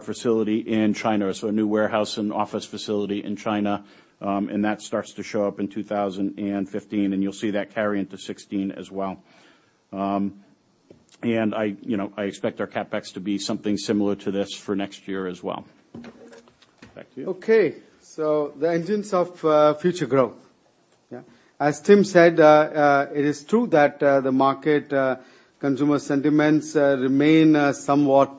facility in China. A new warehouse and office facility in China. That starts to show up in 2015, and you'll see that carry into 2016 as well. I expect our CapEx to be something similar to this for next year as well. Back to you. The engines of future growth. As Tim said, it is true that the market consumer sentiments remain somewhat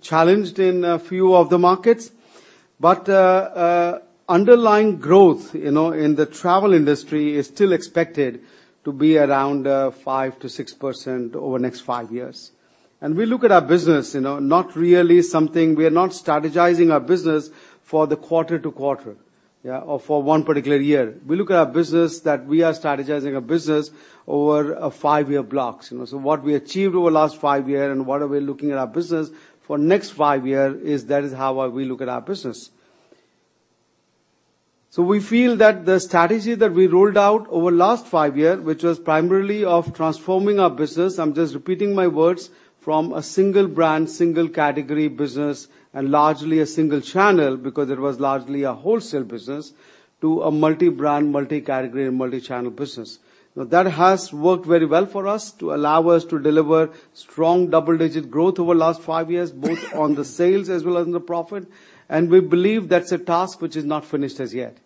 challenged in a few of the markets. Underlying growth in the travel industry is still expected to be around 5%-6% over the next five years. We look at our business. We are not strategizing our business for the quarter to quarter or for one particular year. We look at our business that we are strategizing our business over five-year blocks. What we achieved over the last five years and what are we looking at our business for next five years, is that is how we look at our business. We feel that the strategy that we rolled out over the last five years, which was primarily of transforming our business, I'm just repeating my words, from a single brand, single category business, and largely a single channel because it was largely a wholesale business, to a multi-brand, multi-category, and multi-channel business. That has worked very well for us to allow us to deliver strong double-digit growth over the last five years, both on the sales as well as in the profit, and we believe that's a task which is not finished as yet.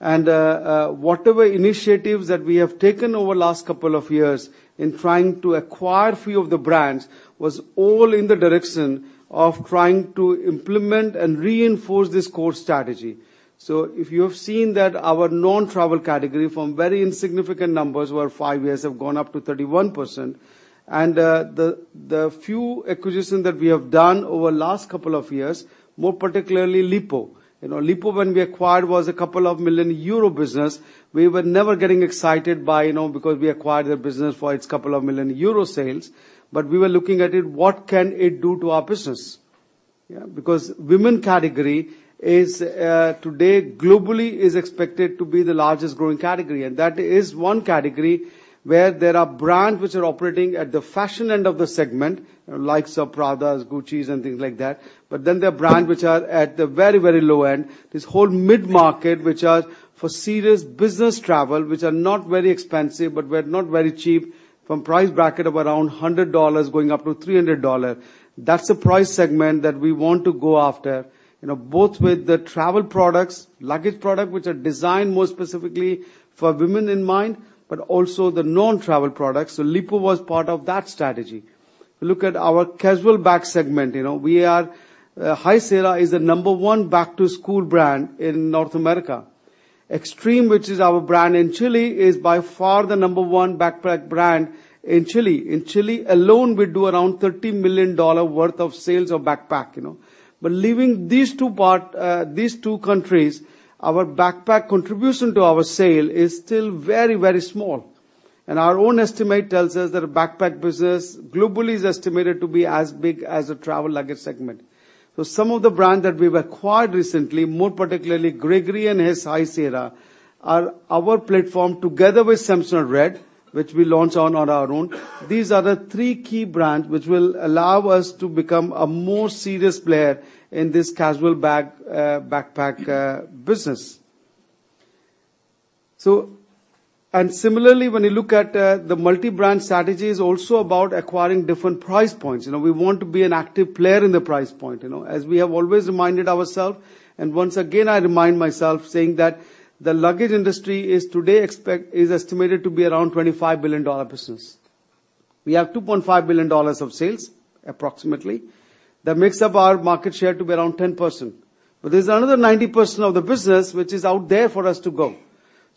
Whatever initiatives that we have taken over the last couple of years in trying to acquire a few of the brands was all in the direction of trying to implement and reinforce this core strategy. If you have seen that our non-travel category from very insignificant numbers over five years have gone up to 31%, and the few acquisitions that we have done over the last couple of years, more particularly Lipault. Lipault, when we acquired, was a couple of million EUR business. We were never getting excited because we acquired the business for its couple of million EUR sales. We were looking at it, what can it do to our business? Women category today globally is expected to be the largest growing category, and that is one category where there are brands which are operating at the fashion end of the segment, like your Prada, Gucci, and things like that. There are brands which are at the very, very low end. This whole mid-market, which are for serious business travel, which are not very expensive, but were not very cheap. From price bracket of around $100-$300. That's a price segment that we want to go after, both with the travel products, luggage product, which are designed more specifically for women in mind, but also the non-travel products. Lipault was part of that strategy. Look at our casual bag segment. High Sierra is the number one back-to-school brand in North America. Xtrem, which is our brand in Chile, is by far the number one backpack brand in Chile. In Chile alone, we do around $30 million worth of sales of backpack. Leaving these two countries, our backpack contribution to our sale is still very, very small. Our own estimate tells us that a backpack business globally is estimated to be as big as a travel luggage segment. Some of the brands that we've acquired recently, more particularly Gregory and High Sierra, are our platform together with Samsonite Red, which we launch on our own. These are the three key brands which will allow us to become a more serious player in this casual backpack business. Similarly, when you look at the multi-brand strategy is also about acquiring different price points. We want to be an active player in the price point. As we have always reminded ourselves, and once again I remind myself saying that the luggage industry is today estimated to be around $25 billion business. We have $2.5 billion of sales, approximately. That makes up our market share to be around 10%. There's another 90% of the business which is out there for us to go.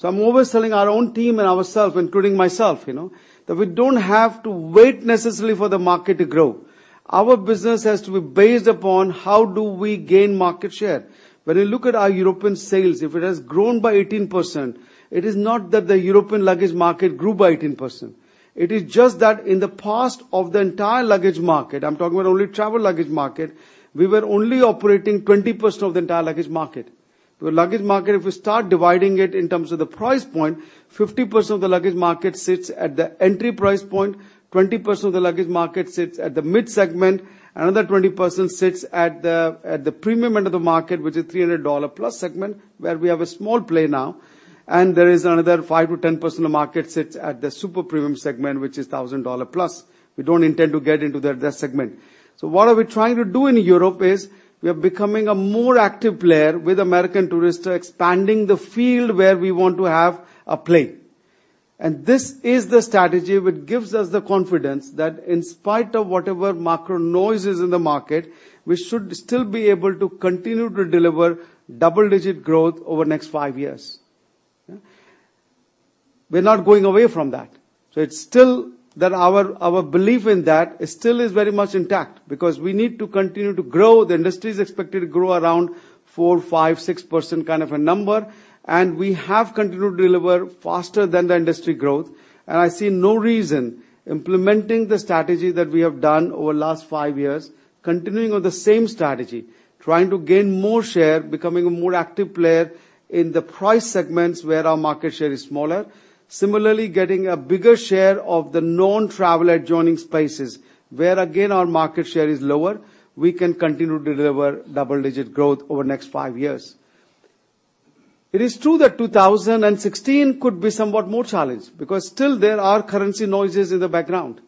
I'm always telling our own team and ourselves, including myself, that we don't have to wait necessarily for the market to grow. Our business has to be based upon how do we gain market share. When you look at our European sales, if it has grown by 18%, it is not that the European luggage market grew by 18%. It is just that in the past of the entire luggage market, I'm talking about only travel luggage market, we were only operating 20% of the entire luggage market. The luggage market, if we start dividing it in terms of the price point, 50% of the luggage market sits at the entry price point, 20% of the luggage market sits at the mid segment, another 20% sits at the premium end of the market, which is $300 plus segment, where we have a small play now, and there is another 5%-10% of market sits at the super premium segment, which is $1,000 plus. We don't intend to get into that segment. What are we trying to do in Europe is we are becoming a more active player with American Tourister expanding the field where we want to have a play. This is the strategy which gives us the confidence that in spite of whatever macro noise is in the market, we should still be able to continue to deliver double-digit growth over the next five years. We're not going away from that. It's still that our belief in that still is very much intact because we need to continue to grow. The industry is expected to grow around 4%, 5%, 6% kind of a number. We have continued to deliver faster than the industry growth. I see no reason implementing the strategy that we have done over the last five years, continuing on the same strategy, trying to gain more share, becoming a more active player in the price segments where our market share is smaller. Similarly, getting a bigger share of the non-travel adjoining spaces, where again, our market share is lower, we can continue to deliver double-digit growth over the next five years. It is true that 2016 could be somewhat more challenged because still there are currency noises in the background.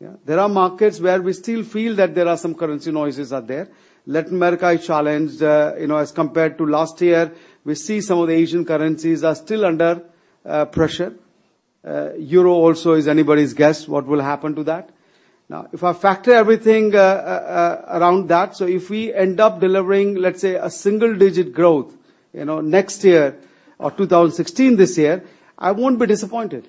Yeah. There are markets where we still feel that there are some currency noises are there. Latin America is challenged. As compared to last year, we see some of the Asian currencies are still under pressure. The euro also is anybody's guess what will happen to that. If I factor everything around that, if we end up delivering, let's say, a single-digit growth next year or 2016, this year, I won't be disappointed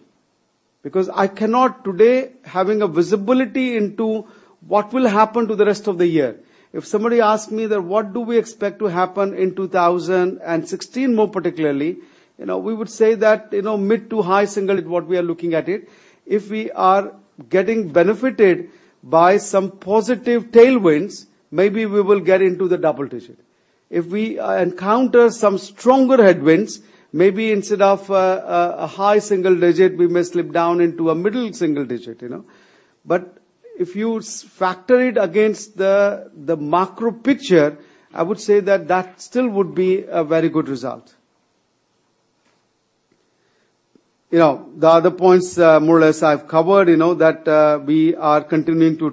because I cannot today having a visibility into what will happen to the rest of the year. If somebody asks me that, what do we expect to happen in 2016, more particularly, we would say that mid to high single is what we are looking at it. If we are getting benefited by some positive tailwinds, maybe we will get into the double digit. If we encounter some stronger headwinds, maybe instead of a high single digit, we may slip down into a middle single digit. If you factor it against the macro picture, I would say that that still would be a very good result. The other points, more or less I've covered, that we are continuing to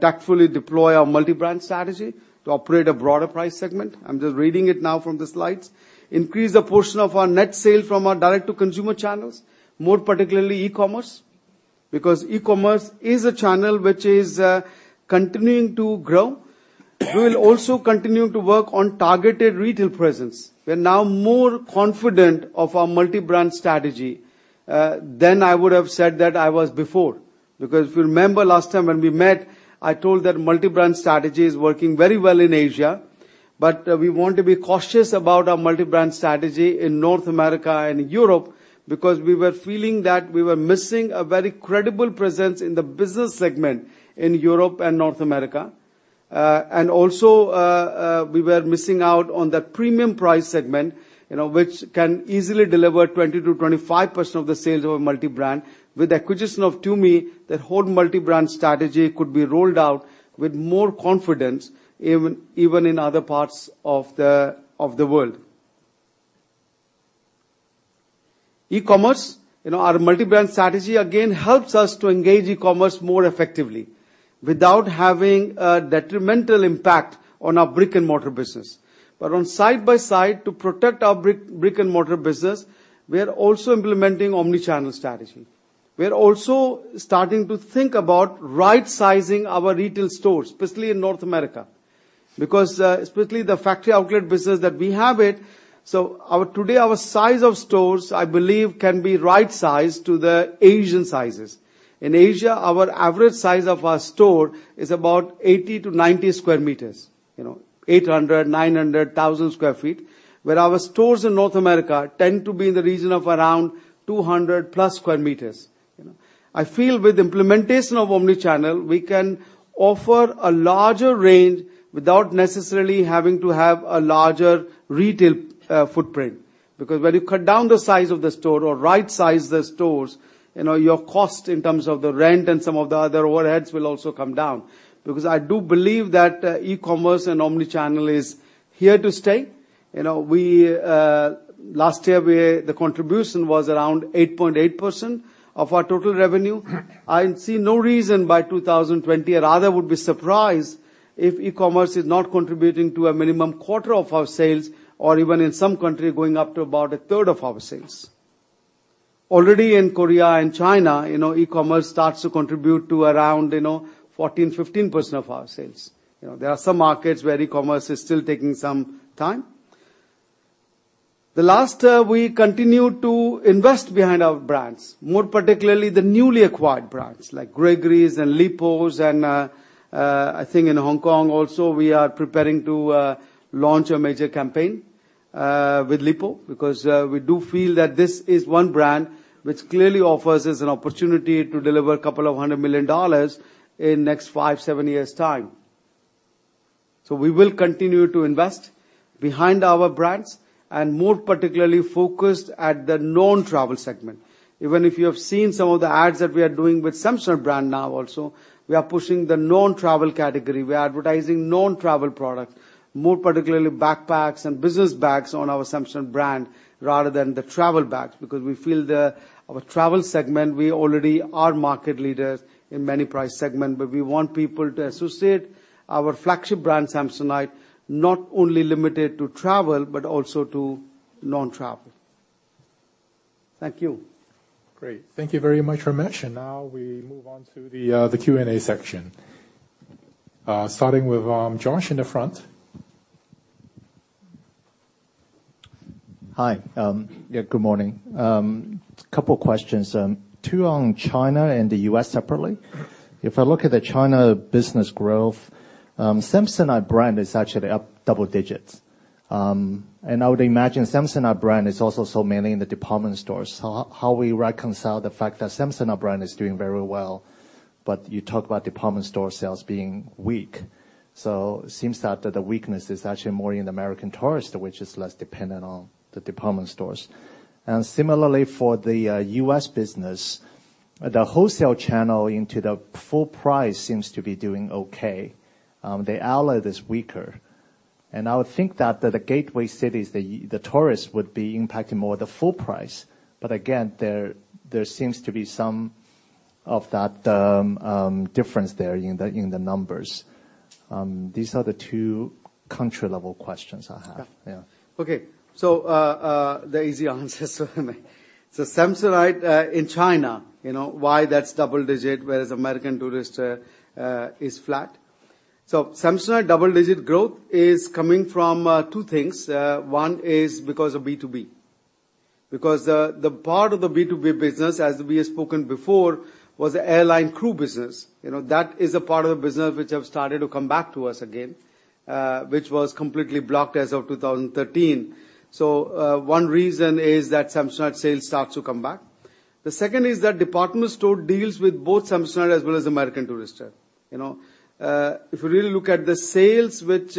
tactfully deploy our multi-brand strategy to operate a broader price segment. I'm just reading it now from the slides. Increase the portion of our net sale from our direct-to-consumer channels, more particularly e-commerce, because e-commerce is a channel which is continuing to grow. We'll also continue to work on targeted retail presence. We're now more confident of our multi-brand strategy, than I would have said that I was before. If you remember last time when we met, I told that multi-brand strategy is working very well in Asia, but we want to be cautious about our multi-brand strategy in North America and Europe because we were feeling that we were missing a very credible presence in the business segment in Europe and North America. Also, we were missing out on that premium price segment, which can easily deliver 20%-25% of the sales of a multi-brand. With the acquisition of Tumi, that whole multi-brand strategy could be rolled out with more confidence even in other parts of the world. E-commerce. Our multi-brand strategy again helps us to engage e-commerce more effectively without having a detrimental impact on our brick-and-mortar business. On side by side to protect our brick-and-mortar business, we are also implementing omnichannel strategy. We are also starting to think about right-sizing our retail stores, especially in North America. Especially the factory outlet business that we have it. Today, our size of stores, I believe, can be right sized to the Asian sizes. In Asia, our average size of our store is about 80 to 90 sq m, 800,000 sq ft, 900,000 sq ft, where our stores in North America tend to be in the region of around 200+ sq m. I feel with implementation of omnichannel, we can offer a larger range without necessarily having to have a larger retail footprint. When you cut down the size of the store or right-size the stores, your cost in terms of the rent and some of the other overheads will also come down. I do believe that e-commerce and omnichannel is here to stay. We, last year, the contribution was around 8.8% of our total revenue. I see no reason by 2020. I rather would be surprised if e-commerce is not contributing to a minimum quarter of our sales or even in some country, going up to about a third of our sales. Already in Korea and China, e-commerce starts to contribute to around 14%, 15% of our sales. There are some markets where e-commerce is still taking some time. We continue to invest behind our brands, more particularly the newly acquired brands like Gregory and Lipault, and I think in Hong Kong also, we are preparing to launch a major campaign with Lipault because we do feel that this is one brand which clearly offers us an opportunity to deliver a couple of hundred million dollars in next five, seven years' time. We will continue to invest behind our brands and more particularly focused at the non-travel segment. Even if you have seen some of the ads that we are doing with Samsonite brand now also. We are pushing the non-travel category. We are advertising non-travel products, more particularly backpacks and business bags on our Samsonite brand rather than the travel bags because we feel our travel segment, we already are market leaders in many price segments, but we want people to associate our flagship brand, Samsonite, not only limited to travel but also to non-travel. Thank you. Great. Thank you very much, Ramesh. Now we move on to the Q&A section. Starting with Josh in the front. Hi. Good morning. Couple questions. Two on China and the U.S. separately. If I look at the China business growth, Samsonite brand is actually up double digits. I would imagine Samsonite brand is also sold mainly in the department stores. How we reconcile the fact that Samsonite brand is doing very well, but you talk about department store sales being weak? It seems that the weakness is actually more in American Tourister, which is less dependent on the department stores. Similarly, for the U.S. business, the wholesale channel into the full-price seems to be doing okay. The outlet is weaker. I would think that the gateway cities, the tourists would be impacting more the full-price. But again, there seems to be some of that difference there in the numbers. These are the two country-level questions I have. Okay. The easy answers, Samsonite in China, why that's double digit, whereas American Tourister is flat. Samsonite double-digit growth is coming from two things. One is because of B2B, because the part of the B2B business, as we have spoken before, was the airline crew business. That is a part of the business which have started to come back to us again, which was completely blocked as of 2013. One reason is that Samsonite sales starts to come back. The second is that department store deals with both Samsonite as well as American Tourister. If you really look at the sales which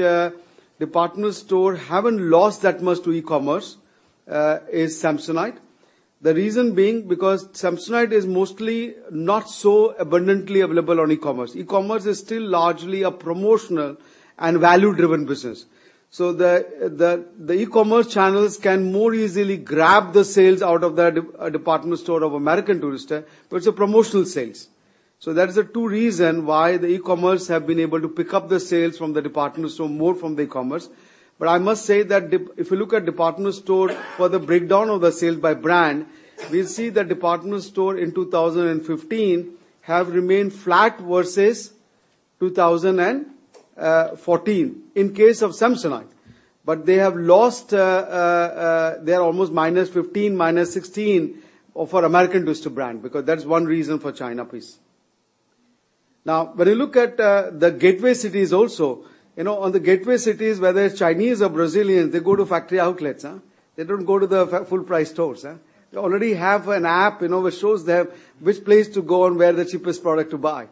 department store haven't lost that much to e-commerce is Samsonite. The reason being because Samsonite is mostly not so abundantly available on e-commerce. E-commerce is still largely a promotional and value-driven business. The e-commerce channels can more easily grab the sales out of the department store of American Tourister, but it's a promotional sales. That is the two reason why the e-commerce have been able to pick up the sales from the department store more from the e-commerce. I must say that if you look at department store for the breakdown of the sales by brand, we'll see that department store in 2015 have remained flat versus 2014 in case of Samsonite. But they have lost, they're almost -15%, -16% for American Tourister brand because that's one reason for China piece. When you look at the gateway cities also, on the gateway cities, whether it's Chinese or Brazilian, they go to factory outlets. They don't go to the full-price stores. They already have an app which shows them which place to go and where the cheapest product to buy.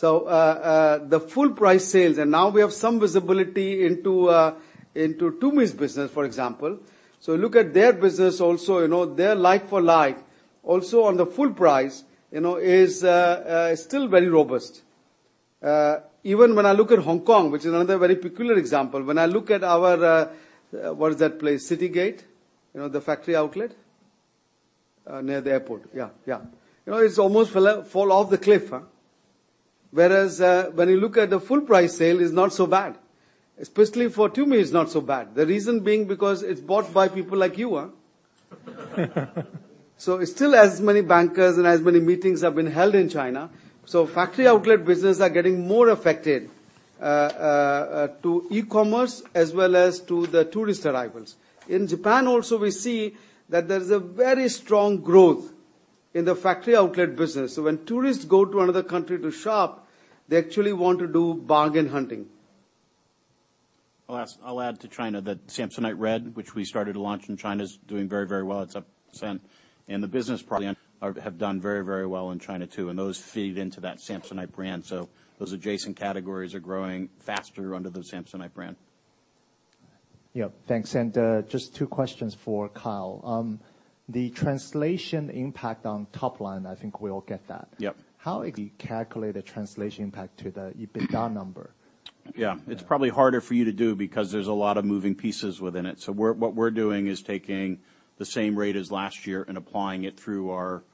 The full-price sales, and now we have some visibility into Tumi's business, for example. Look at their business also, their like-for-like also on the full-price is still very robust. Even when I look at Hong Kong, which is another very peculiar example, when I look at our What is that place? Citygate? The factory outlet? Near the airport. Yeah. It's almost fall off the cliff. When you look at the full-price sale, it's not so bad, especially for Tumi, it's not so bad. The reason being because it's bought by people like you. It's still as many bankers and as many meetings have been held in China. Factory outlet business are getting more affected to e-commerce as well as to the tourist arrivals. In Japan also, we see that there's a very strong growth in the factory outlet business. When tourists go to another country to shop, they actually want to do bargain hunting. I'll add to China that Samsonite Red, which we started to launch in China, is doing very, very well. It's up % and the business probably have done very, very well in China too, and those feed into that Samsonite brand. Those adjacent categories are growing faster under the Samsonite brand. Yeah. Thanks. Just two questions for Kyle. The translation impact on top line, I think we all get that. Yep. How exactly calculate the translation impact to the EBITDA number? Yeah. It's probably harder for you to do because there's a lot of moving pieces within it. What we're doing is taking the same rate as last year and applying it through our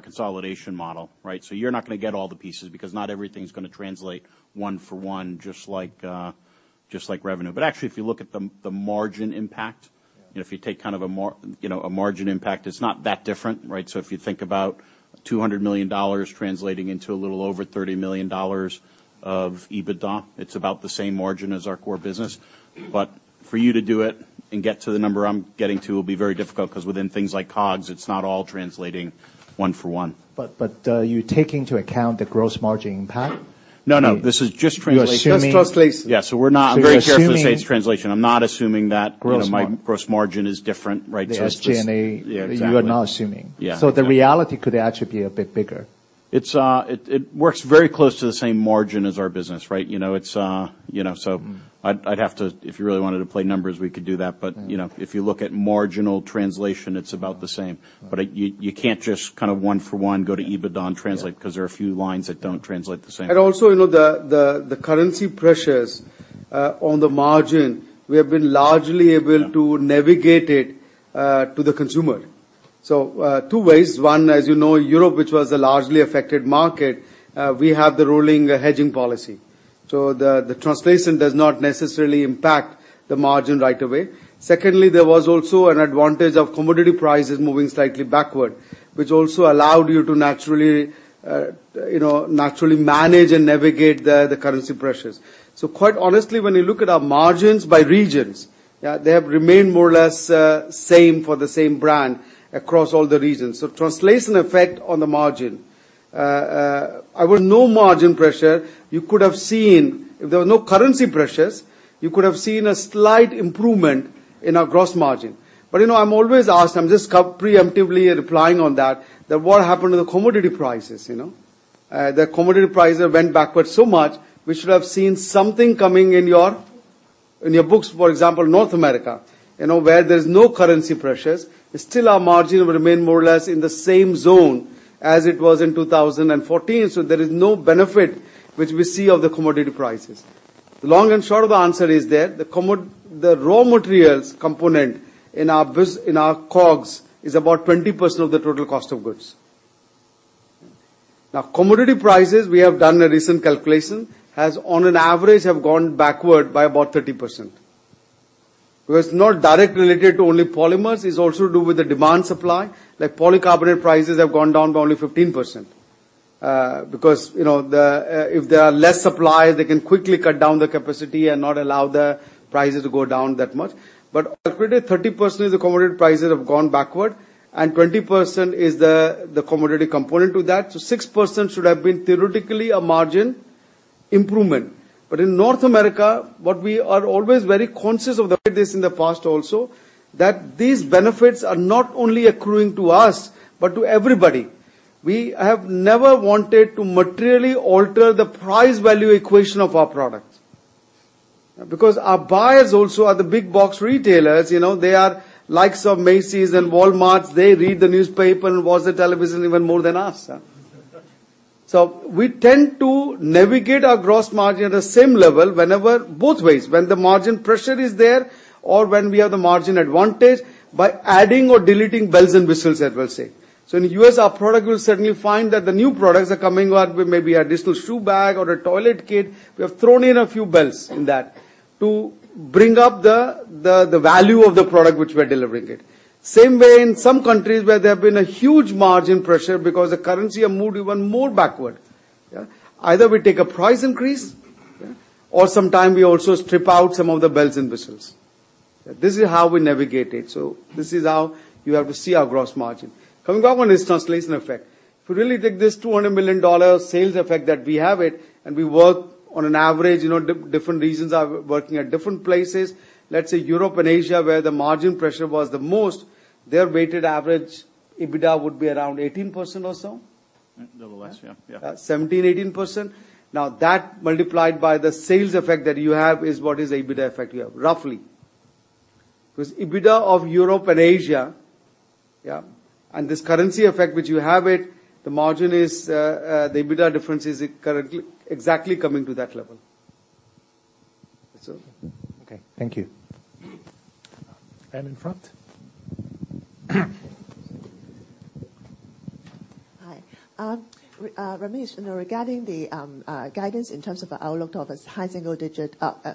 consolidation model. Right? You're not going to get all the pieces because not everything's going to translate one for one, just like revenue. Actually, if you look at the margin impact- Yeah If you take a margin impact, it's not that different. Right? If you think about $200 million translating into a little over $30 million of EBITDA, it's about the same margin as our core business. For you to do it and get to the number I'm getting to will be very difficult, because within things like COGS, it's not all translating one for one. You take into account the gross margin impact? No, no. This is just translation. You're assuming- Just translation. Yeah. We're not- You're assuming- I'm very careful to say it's translation. I'm not assuming that. Gross margin my gross margin is different. Right. It's just. The SG&A. Yeah, exactly. You are not assuming. Yeah, exactly. The reality could actually be a bit bigger. It works very close to the same margin as our business, right? I'd have to, if you really wanted to play numbers, we could do that. If you look at marginal translation, it's about the same. Right. You can't just kind of one for one go to EBITDA and translate. Yeah Because there are a few lines that don't translate the same. The currency pressures on the margin, we have been largely able to. Yeah navigate it to the consumer. Two ways. One, as you know, Europe, which was a largely affected market, we have the rolling hedging policy. The translation does not necessarily impact the margin right away. Secondly, there was also an advantage of commodity prices moving slightly backward, which also allowed you to naturally manage and navigate the currency pressures. Quite honestly, when you look at our margins by regions, they have remained more or less the same for the same brand across all the regions. Translation effect on the margin. If there was no margin pressure, you could have seen. If there was no currency pressures, you could have seen a slight improvement in our gross margin. I'm always asked, I'm just preemptively replying on that what happened to the commodity prices? The commodity prices went backwards so much, we should have seen something coming in your books, for example, North America. Where there's no currency pressures, still our margin will remain more or less in the same zone as it was in 2014. There is no benefit which we see of the commodity prices. The long and short of the answer is that the raw materials component in our COGS is about 20% of the total cost of goods. Now, commodity prices, we have done a recent calculation, has on an average, have gone backward by about 30%. Because it's not direct related to only polymers, it's also to do with the demand supply. Like polycarbonate prices have gone down by only 15%. Because if there are less supply, they can quickly cut down the capacity and not allow the prices to go down that much. Approximately 30% of the commodity prices have gone backward, and 20% is the commodity component to that. 6% should have been theoretically a margin improvement. In North America, what we are always very conscious of the way it is in the past also, that these benefits are not only accruing to us but to everybody. We have never wanted to materially alter the price-value equation of our product. Our buyers also are the big box retailers. They are likes of Macy's and Walmarts. They read the newspaper and watch the television even more than us. We tend to navigate our gross margin at the same level whenever, both ways, when the margin pressure is there or when we have the margin advantage, by adding or deleting bells and whistles, I will say. In the U.S., our product will certainly find that the new products are coming out with maybe an additional shoe bag or a toilet kit. We have thrown in a few bells in that to bring up the value of the product which we are delivering it. Same way in some countries where there have been a huge margin pressure because the currency has moved even more backward. Yeah. Either we take a price increase- Okay Sometimes we also strip out some of the bells and whistles. This is how we navigate it. This is how you have to see our gross margin. Coming back on this translation effect. If we really take this $200 million sales effect that we have it, and we work on an average, different regions are working at different places. Let's say Europe and Asia, where the margin pressure was the most, their weighted average EBITDA would be around 18% or so. A little less. Yeah. 17%-18%. That multiplied by the sales effect that you have is what is the EBITDA effect you have, roughly. Because EBITDA of Europe and Asia, yeah, and this currency effect, which you have it, the EBITDA difference is exactly coming to that level. That's all. Okay. Thank you. In front. Hi, Ramesh, regarding the guidance in terms of the outlook of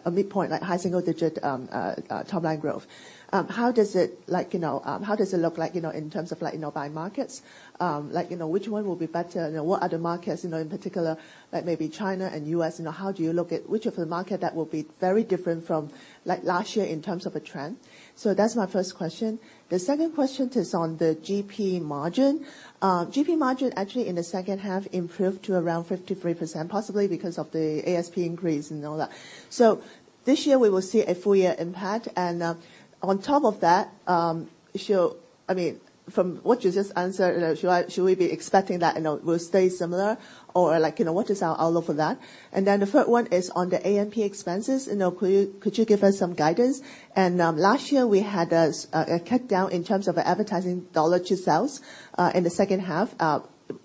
a mid-point, like high single-digit top-line growth. How does it look like in terms of by markets? Which one will be better? What are the markets, in particular like maybe China and U.S.? How do you look at which of the market that will be very different from last year in terms of a trend? That's my first question. The second question is on the GP margin. GP margin actually in the second half improved to around 53%, possibly because of the ASP increase and all that. This year, we will see a full-year impact, and on top of that, from what you just answered, should we be expecting that will stay similar or what is our outlook for that? The third one is on the A&P expenses. Could you give us some guidance? Last year, we had a cut down in terms of advertising dollar to sales in the second half.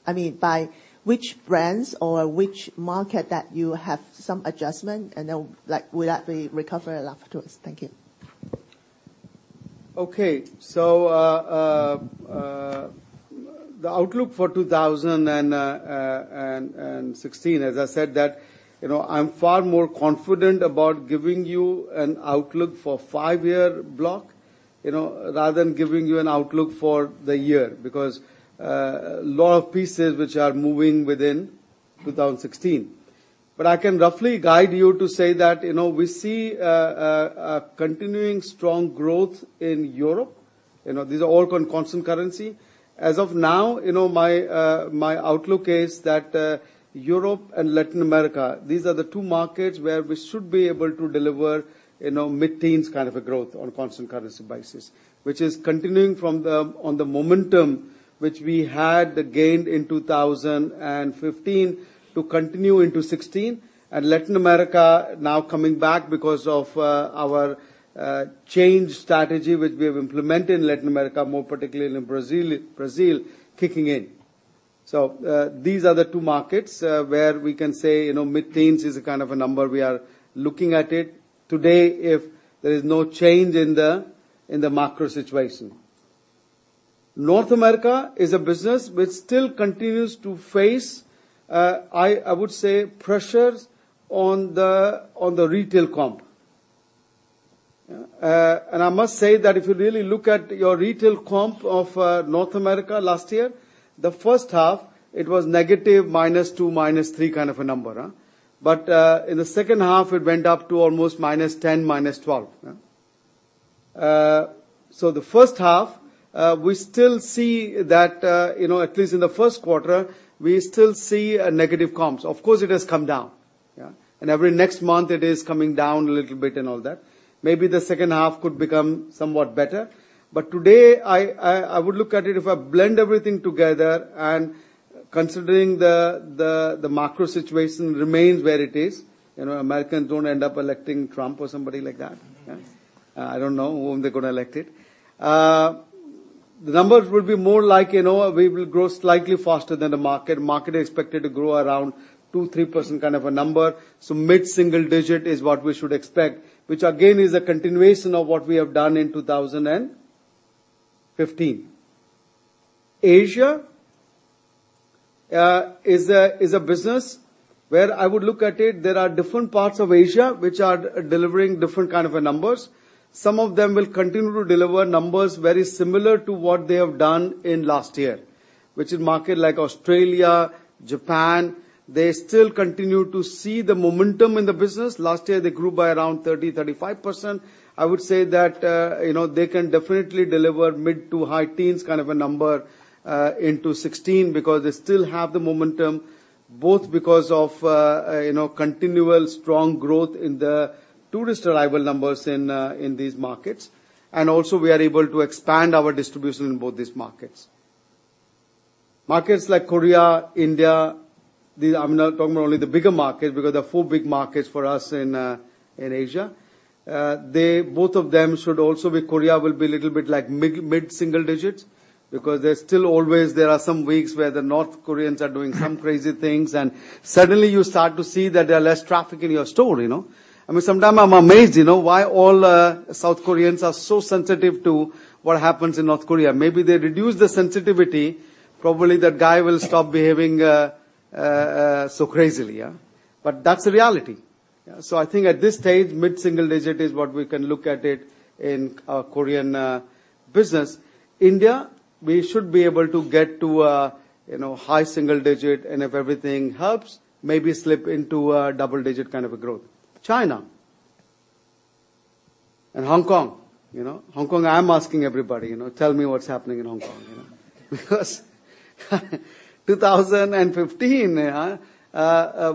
By which brands or which market that you have some adjustment, and will that be recovered afterwards? Thank you. Okay. The outlook for 2016, as I said, that I'm far more confident about giving you an outlook for five-year block, rather than giving you an outlook for the year. Because lot of pieces which are moving within 2016. I can roughly guide you to say that, we see a continuing strong growth in Europe. These are all on constant currency. As of now, my outlook is that Europe and Latin America, these are the two markets where we should be able to deliver mid-teens kind of a growth on a constant currency basis. Which is continuing on the momentum which we had gained in 2015 to continue into 2016, and Latin America now coming back because of our change strategy, which we have implemented in Latin America, more particularly in Brazil, kicking in. These are the two markets where we can say, mid-teens is a kind of a number we are looking at it today, if there is no change in the macro situation. North America is a business which still continues to face, I would say, pressures on the retail comp. I must say that if you really look at your retail comp of North America last year, the first half, it was negative minus two, minus three kind of a number. In the second half, it went up to almost -10, -12. The first half, at least in the first quarter, we still see a negative comps. Of course, it has come down. Yeah. Every next month it is coming down a little bit and all that. Maybe the second half could become somewhat better. Today, I would look at it, if I blend everything together and considering the macro situation remains where it is, Americans don't end up electing Trump or somebody like that. Yes. I don't know whom they're gonna elect it. The numbers will be more like, we will grow slightly faster than the market. Market expected to grow around 2%, 3% kind of a number. Mid-single digit is what we should expect, which again, is a continuation of what we have done in 2015. Asia is a business where I would look at it, there are different parts of Asia which are delivering different kind of a numbers. Some of them will continue to deliver numbers very similar to what they have done in last year, which is market like Australia, Japan. They still continue to see the momentum in the business. Last year, they grew by around 30%-35%. I would say that, they can definitely deliver mid to high teens kind of a number, into 2016 because they still have the momentum, both because of continual strong growth in the tourist arrival numbers in these markets. Also, we are able to expand our distribution in both these markets. Markets like Korea, India, I'm not talking about only the bigger markets because there are four big markets for us in Asia. Korea will be little bit like mid-single digits because there's still always, there are some weeks where the North Koreans are doing some crazy things, and suddenly you start to see that there are less traffic in your store. I mean, sometime I'm amazed why all South Koreans are so sensitive to what happens in North Korea. Maybe they reduce the sensitivity, probably that guy will stop behaving so crazily, yeah. That's the reality. I think at this stage, mid-single digit is what we can look at it in our Korean business. India, we should be able to get to high single digit, and if everything helps, maybe slip into a double digit kind of a growth. China and Hong Kong. Hong Kong, I am asking everybody, tell me what's happening in Hong Kong. 2015,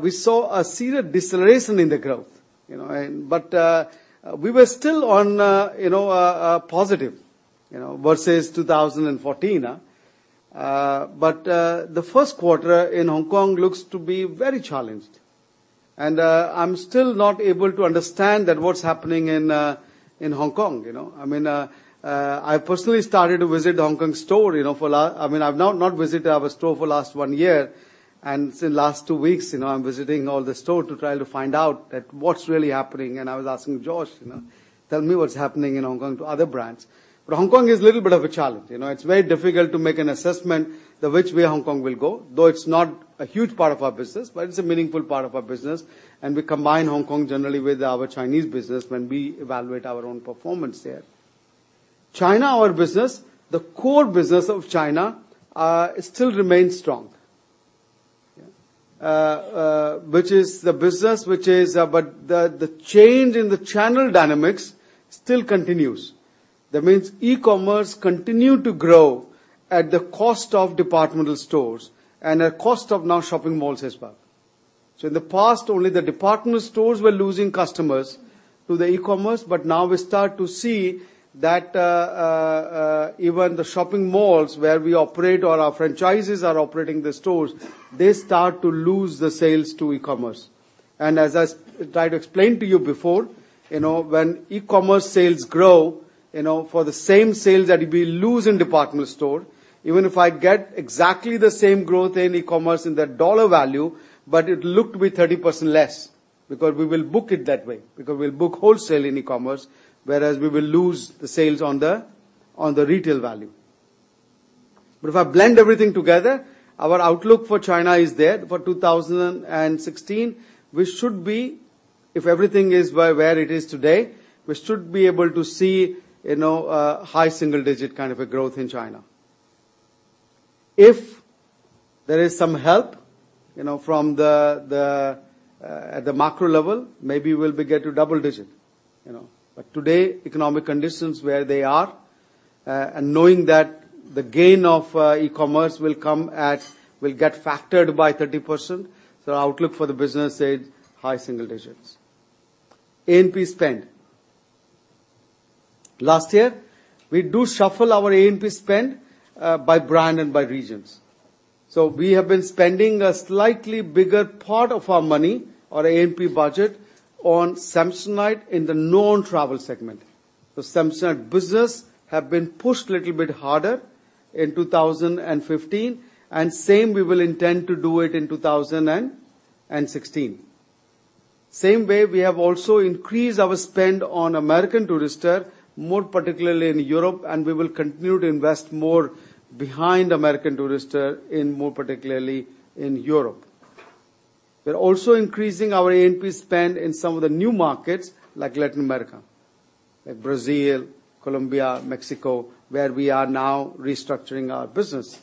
we saw a serious deceleration in the growth. We were still on a positive, versus 2014. The first quarter in Hong Kong looks to be very challenged. I'm still not able to understand that what's happening in Hong Kong. I mean, I personally started to visit Hong Kong store. I've not visited our store for last one year. Since last two weeks, I'm visiting all the store to try to find out that what's really happening. I was asking Josh, "Tell me what's happening in Hong Kong to other brands." Hong Kong is a little bit of a challenge. It's very difficult to make an assessment that which way Hong Kong will go, though it's not a huge part of our business, but it's a meaningful part of our business, and we combine Hong Kong generally with our Chinese business when we evaluate our own performance there. China, our business, the core business of China, still remains strong. Yeah. The change in the channel dynamics still continues. That means e-commerce continue to grow at the cost of departmental stores and at cost of now shopping malls as well. In the past, only the departmental stores were losing customers to the e-commerce, but now we start to see that even the shopping malls where we operate or our franchises are operating the stores, they start to lose the sales to e-commerce. As I tried to explain to you before, when e-commerce sales grow, for the same sales that we lose in departmental store, even if I get exactly the same growth in e-commerce in that dollar value, but it looked to be 30% less. We will book it that way, because we'll book wholesale in e-commerce, whereas we will lose the sales on the retail value. If I blend everything together, our outlook for China is there for 2016. If everything is where it is today, we should be able to see a high single digit kind of a growth in China. If there is some help at the macro level, maybe we'll get to double digit. Today, economic conditions where they are, and knowing that the gain of e-commerce will get factored by 30%, the outlook for the business is high single digits. A&P spend. Last year, we do shuffle our A&P spend by brand and by regions. We have been spending a slightly bigger part of our money, our A&P budget, on Samsonite in the non-travel segment. The Samsonite business have been pushed a little bit harder in 2015, and same we will intend to do it in 2016. Same way, we have also increased our spend on American Tourister, more particularly in Europe, and we will continue to invest more behind American Tourister in more particularly in Europe. We're also increasing our A&P spend in some of the new markets like Latin America, like Brazil, Colombia, Mexico, where we are now restructuring our business.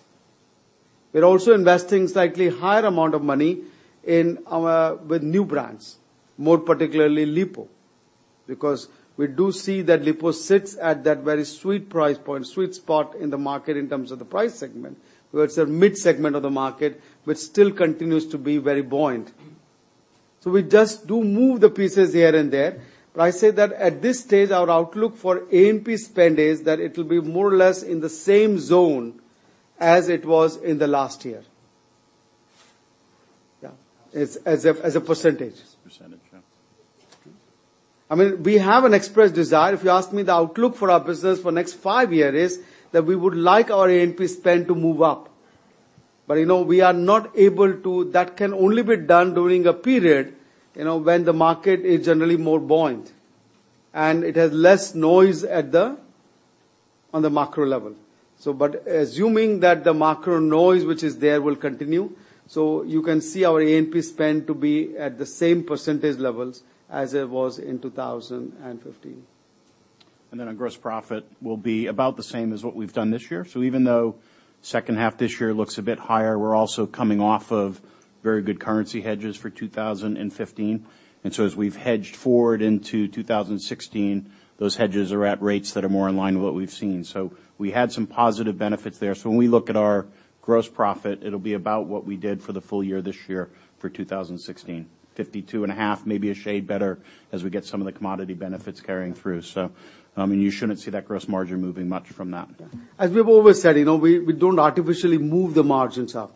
We're also investing slightly higher amount of money with new brands, more particularly Lipault. Because we do see that Lipault sits at that very sweet price point, sweet spot in the market in terms of the price segment, where it's a mid segment of the market, which still continues to be very buoyant. We just do move the pieces here and there. I say that at this stage, our outlook for A&P spend is that it will be more or less in the same zone as it was in the last year. Yeah. As a percentage. Percentage, yeah. I mean, we have an express desire. If you ask me the outlook for our business for next five year is that we would like our A&P spend to move up. We are not able to That can only be done during a period when the market is generally more buoyant, and it has less noise on the macro level. Assuming that the macro noise which is there will continue, you can see our A&P spend to be at the same percentage levels as it was in 2015. Our gross profit will be about the same as what we've done this year. Even though second half this year looks a bit higher, we're also coming off of very good currency hedges for 2015. As we've hedged forward into 2016, those hedges are at rates that are more in line with what we've seen. We had some positive benefits there. When we look at our gross profit, it'll be about what we did for the full year this year for 2016, 52.5%, maybe a shade better as we get some of the commodity benefits carrying through. I mean, you shouldn't see that gross margin moving much from that. As we've always said, we don't artificially move the margins up.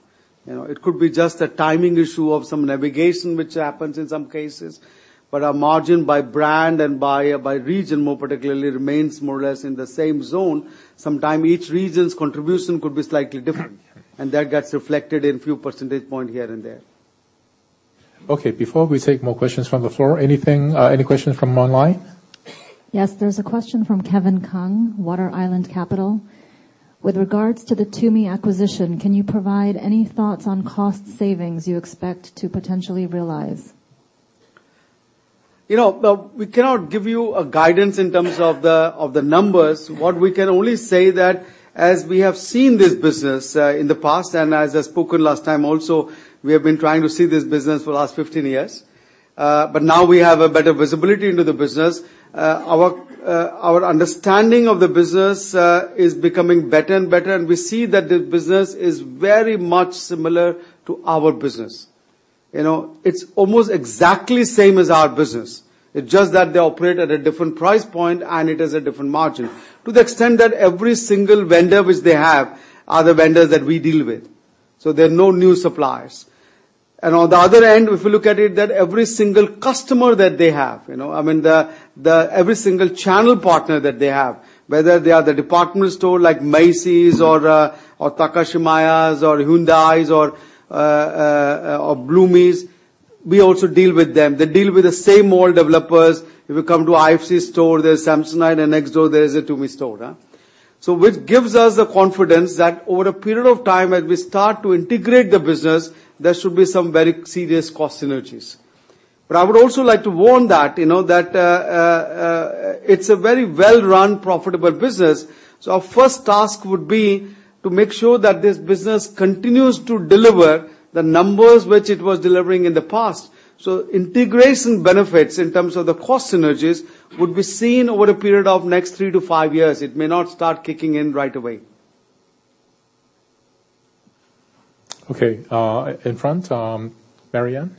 It could be just a timing issue of some navigation, which happens in some cases, but our margin by brand and by region, more particularly, remains more or less in the same zone. Sometimes each region's contribution could be slightly different, and that gets reflected in few percentage point here and there. Okay. Before we take more questions from the floor, any questions from online? Yes. There's a question from Kevin Kung, Water Island Capital. With regards to the Tumi acquisition, can you provide any thoughts on cost savings you expect to potentially realize? We cannot give you a guidance in terms of the numbers. What we can only say that as we have seen this business in the past, and as I spoken last time also, we have been trying to see this business for the last 15 years. Now we have a better visibility into the business. Our understanding of the business is becoming better and better, and we see that the business is very much similar to our business. It's almost exactly same as our business. It's just that they operate at a different price point, and it has a different margin. To the extent that every single vendor which they have are the vendors that we deal with. There are no new suppliers. On the other end, if you look at it, that every single customer that they have, I mean, every single channel partner that they have, whether they are the department store like Macy's or Takashimaya or Hyundai or Bloomie's, we also deal with them. They deal with the same old developers. If you come to IFC store, there's Samsonite, and next door there is a Tumi store. Which gives us the confidence that over a period of time, as we start to integrate the business, there should be some very serious cost synergies. I would also like to warn that it's a very well-run, profitable business. Our first task would be to make sure that this business continues to deliver the numbers which it was delivering in the past. Integration benefits in terms of the cost synergies would be seen over a period of next three to five years. It may not start kicking in right away. Okay. In front, Marianne.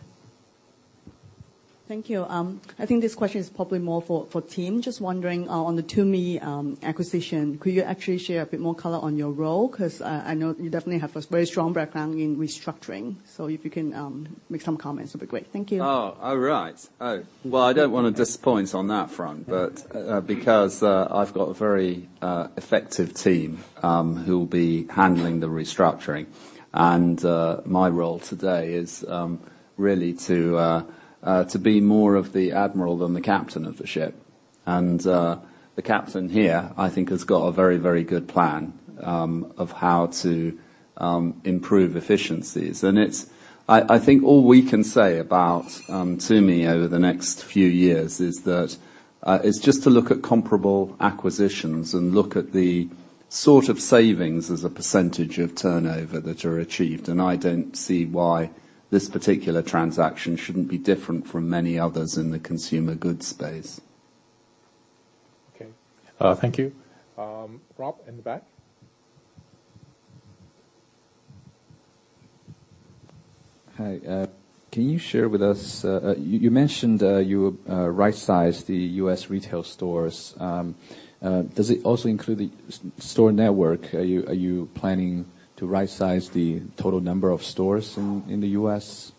Thank you. I think this question is probably more for Tim. Just wondering on the Tumi acquisition, could you actually share a bit more color on your role? I know you definitely have a very strong background in restructuring, so if you can make some comments, that'd be great. Thank you. Oh, all right. I don't want to disappoint on that front, but because I've got a very effective team who will be handling the restructuring, and my role today is really to be more of the admiral than the captain of the ship. The captain here, I think, has got a very, very good plan of how to improve efficiencies. I think all we can say about Tumi over the next few years is just to look at comparable acquisitions and look at the sort of savings as a percentage of turnover that are achieved. I don't see why this particular transaction shouldn't be different from many others in the consumer goods space. Okay. Thank you. Rob in the back. Hi. Can you share with us? You mentioned you right-sized the U.S. retail stores. Does it also include the store network? Are you planning to right-size the total number of stores in the U.S.?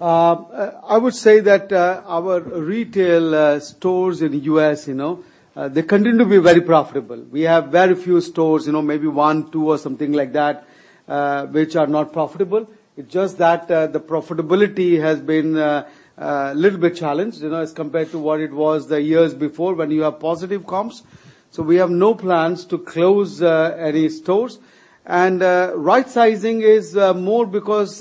I would say that our retail stores in the U.S., they continue to be very profitable. We have very few stores, maybe one, two, or something like that, which are not profitable. It's just that the profitability has been a little bit challenged, as compared to what it was the years before when you have positive comps. We have no plans to close any stores. Right-sizing is more because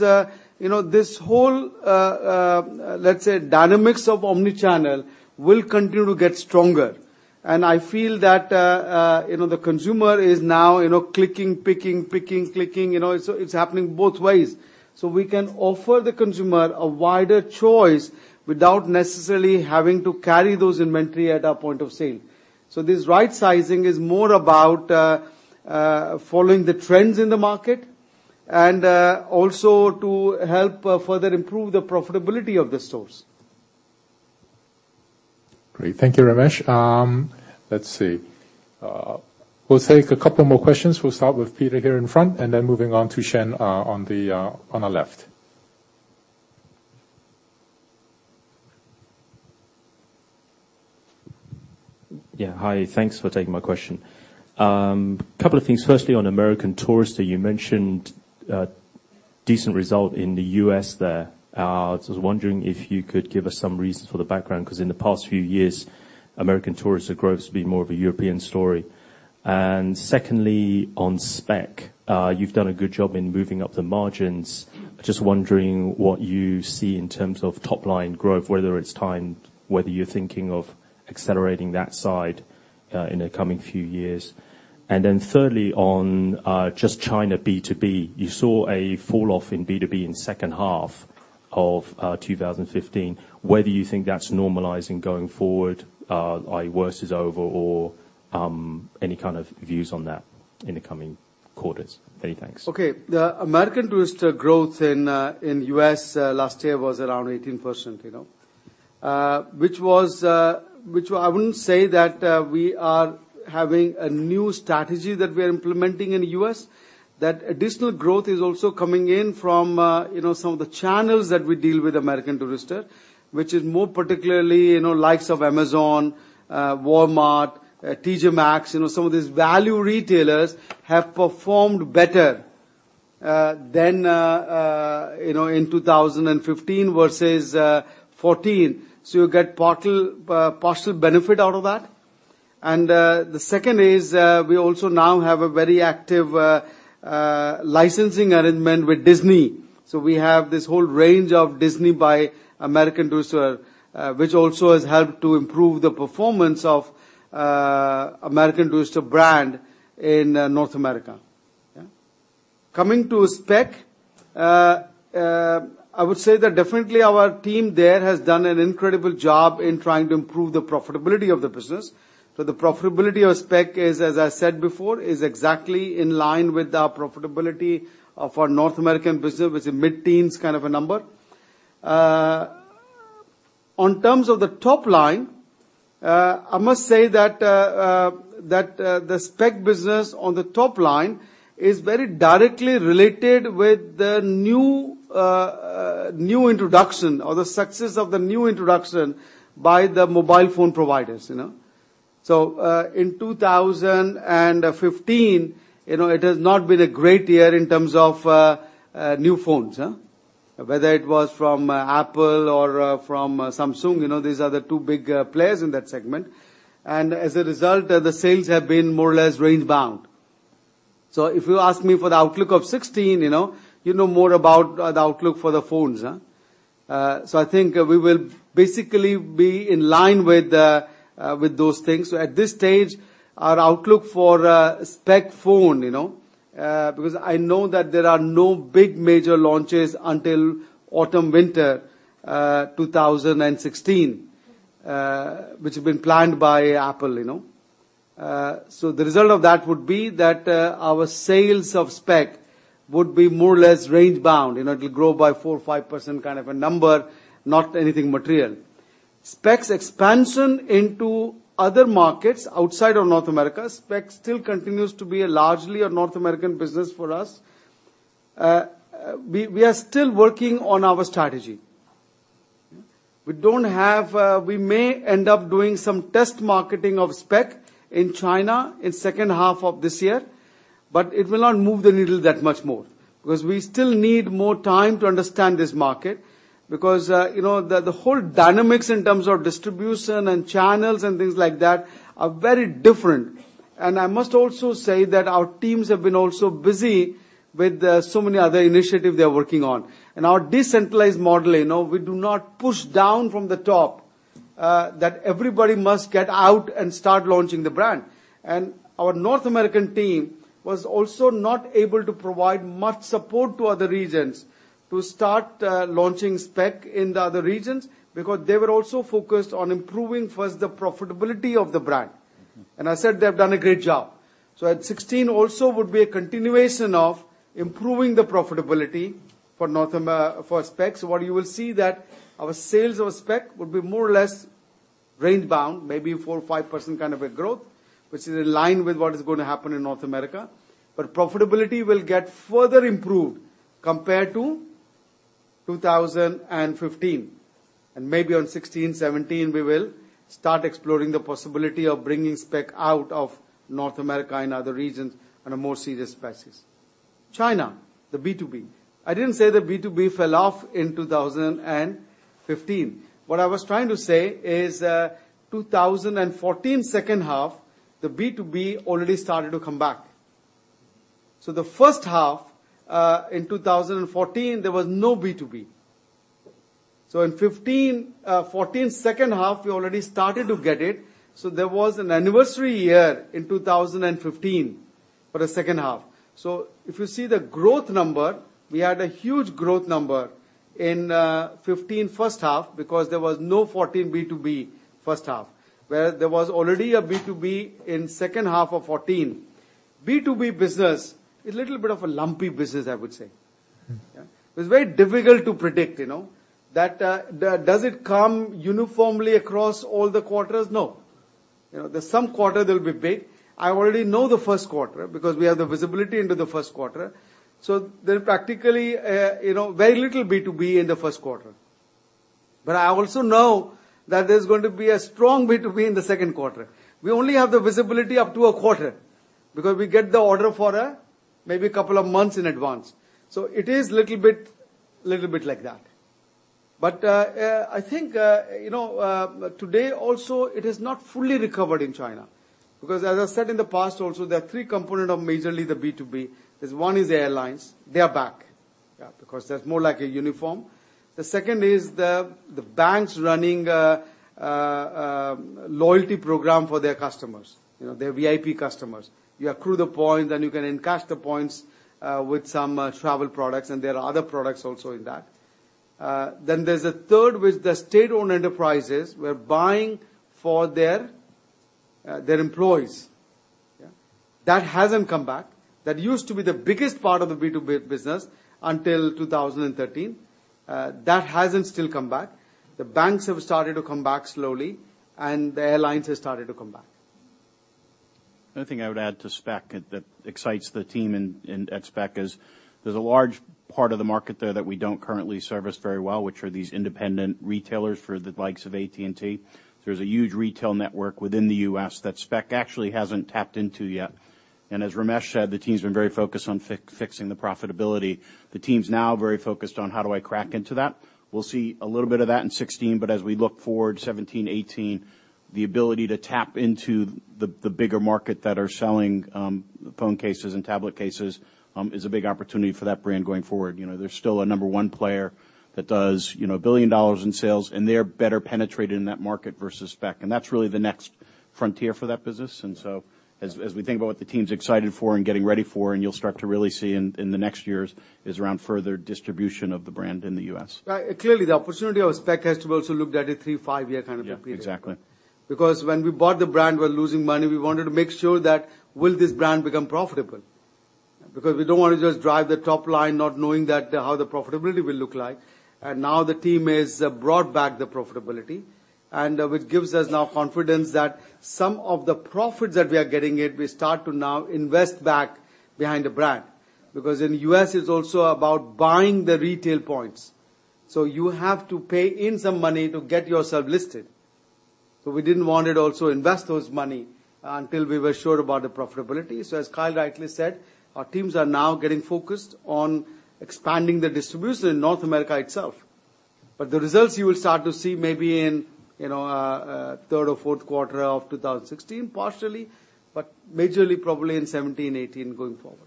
this whole, let's say, dynamics of omnichannel will continue to get stronger. I feel that the consumer is now clicking, picking, clicking. It's happening both ways. We can offer the consumer a wider choice without necessarily having to carry those inventory at our point of sale. This right-sizing is more about following the trends in the market and also to help further improve the profitability of the stores. Great. Thank you, Ramesh. Let's see. We'll take a couple more questions. We'll start with Peter here in front and then moving on to Shen on our left. Yeah. Hi, thanks for taking my question. Couple of things. Firstly, on American Tourister, you mentioned a decent result in the U.S. there. I was wondering if you could give us some reason for the background, because in the past few years, American Tourister growth has been more of a European story. Secondly, on Speck. You've done a good job in moving up the margins. Just wondering what you see in terms of top-line growth, whether you're thinking of accelerating that side in the coming few years. Thirdly, on just China B2B. You saw a falloff in B2B in second half of 2015. Whether you think that's normalizing going forward, i.e. worse is over or any kind of views on that in the coming quarters. Many thanks. Okay. The American Tourister growth in U.S. last year was around 18%. I wouldn't say that we are having a new strategy that we are implementing in the U.S., that additional growth is also coming in from some of the channels that we deal with American Tourister, which is more particularly likes of Amazon, Walmart, TJ Maxx. Some of these value retailers have performed better than in 2015 versus 2014. You get partial benefit out of that. The second is, we also now have a very active licensing arrangement with Disney. We have this whole range of Disney by American Tourister which also has helped to improve the performance of American Tourister brand in North America. Coming to Speck, I would say that definitely our team there has done an incredible job in trying to improve the profitability of the business. The profitability of Speck, as I said before, is exactly in line with our profitability of our North American business, which is mid-teens kind of a number. On terms of the top line, I must say that the Speck business on the top line is very directly related with the new introduction, or the success of the new introduction by the mobile phone providers. In 2015, it has not been a great year in terms of new phones. Whether it was from Apple or from Samsung, these are the two big players in that segment. As a result, the sales have been more or less range bound. If you ask me for the outlook of 2016, you know more about the outlook for the phones. I think we will basically be in line with those things. At this stage, our outlook for Speck, because I know that there are no big major launches until autumn/winter 2016, which have been planned by Apple. The result of that would be that our sales of Speck would be more or less range bound. It will grow by 4%, 5% kind of a number, not anything material. Speck's expansion into other markets outside of North America, Speck still continues to be largely a North American business for us. We are still working on our strategy. We may end up doing some test marketing of Speck in China in second half of this year. It will not move the needle that much more. We still need more time to understand this market, because the whole dynamics in terms of distribution and channels and things like that are very different. I must also say that our teams have been also busy with so many other initiatives they are working on. In our decentralized model, we do not push down from the top that everybody must get out and start launching the brand. Our North American team was also not able to provide much support to other regions to start launching Speck in the other regions, because they were also focused on improving first the profitability of the brand. I said they have done a great job. H16 also would be a continuation of improving the profitability for Speck. What you will see that our sales of Speck will be more or less range bound, maybe 4% or 5% kind of a growth, which is in line with what is going to happen in North America. Profitability will get further improved compared to 2015. Maybe on 2016, 2017, we will start exploring the possibility of bringing Speck out of North America in other regions on a more serious basis. China, the B2B. I did not say the B2B fell off in 2015. What I was trying to say is, 2014 second half, the B2B already started to come back. The first half, in 2014, there was no B2B. In 2014 second half, we already started to get it, there was an anniversary year in 2015 for the second half. If you see the growth number, we had a huge growth number in 2015 first half because there was no 2014 B2B first half, where there was already a B2B in second half of 2014. B2B business is a little bit of a lumpy business, I would say. Yeah. It is very difficult to predict. Does it come uniformly across all the quarters? No. There is some quarter that will be big. I already know the first quarter because we have the visibility into the first quarter. There practically, very little B2B in the first quarter. I also know that there is going to be a strong B2B in the second quarter. We only have the visibility up to a quarter because we get the order for maybe a couple of months in advance. It is little bit like that. I think, today also it is not fully recovered in China. As I said in the past also, there are three component of majorly the B2B. There is one is airlines, they are back. Yeah. Because that is more like a uniform. The second is the banks running a loyalty program for their customers, their VIP customers. You accrue the points, you can encash the points with some travel products, and there are other products also in that. There's a third, which the state-owned enterprises were buying for their employees. Yeah. That hasn't come back. That used to be the biggest part of the B2B business until 2013. That hasn't still come back. The banks have started to come back slowly, the airlines have started to come back. Another thing I would add to Speck that excites the team at Speck is, there's a large part of the market there that we don't currently service very well, which are these independent retailers for the likes of AT&T. There's a huge retail network within the U.S. that Speck actually hasn't tapped into yet. As Ramesh said, the team's been very focused on fixing the profitability. The team's now very focused on how do I crack into that. We'll see a little bit of that in 2016, but as we look forward, 2017, 2018, the ability to tap into the bigger market that are selling phone cases and tablet cases, is a big opportunity for that brand going forward. There's still a number one player that does $1 billion in sales, they are better penetrated in that market versus Speck. That's really the next frontier for that business. As we think about what the team's excited for and getting ready for, and you'll start to really see in the next years is around further distribution of the brand in the U.S. Clearly, the opportunity of Speck has to be also looked at a three to five year kind of a period. Yeah. Exactly. When we bought the brand, we were losing money, we wanted to make sure that will this brand become profitable. We don't want to just drive the top line not knowing how the profitability will look like. Now the team has brought back the profitability, which gives us now confidence that some of the profits that we are getting, we start to now invest back behind the brand. In the U.S., it's also about buying the retail points. You have to pay in some money to get yourself listed. We didn't want to also invest those money until we were sure about the profitability. As Kyle rightly said, our teams are now getting focused on expanding the distribution in North America itself. The results you will start to see maybe in a third or fourth quarter of 2016, partially, but majorly probably in 2017, 2018 going forward.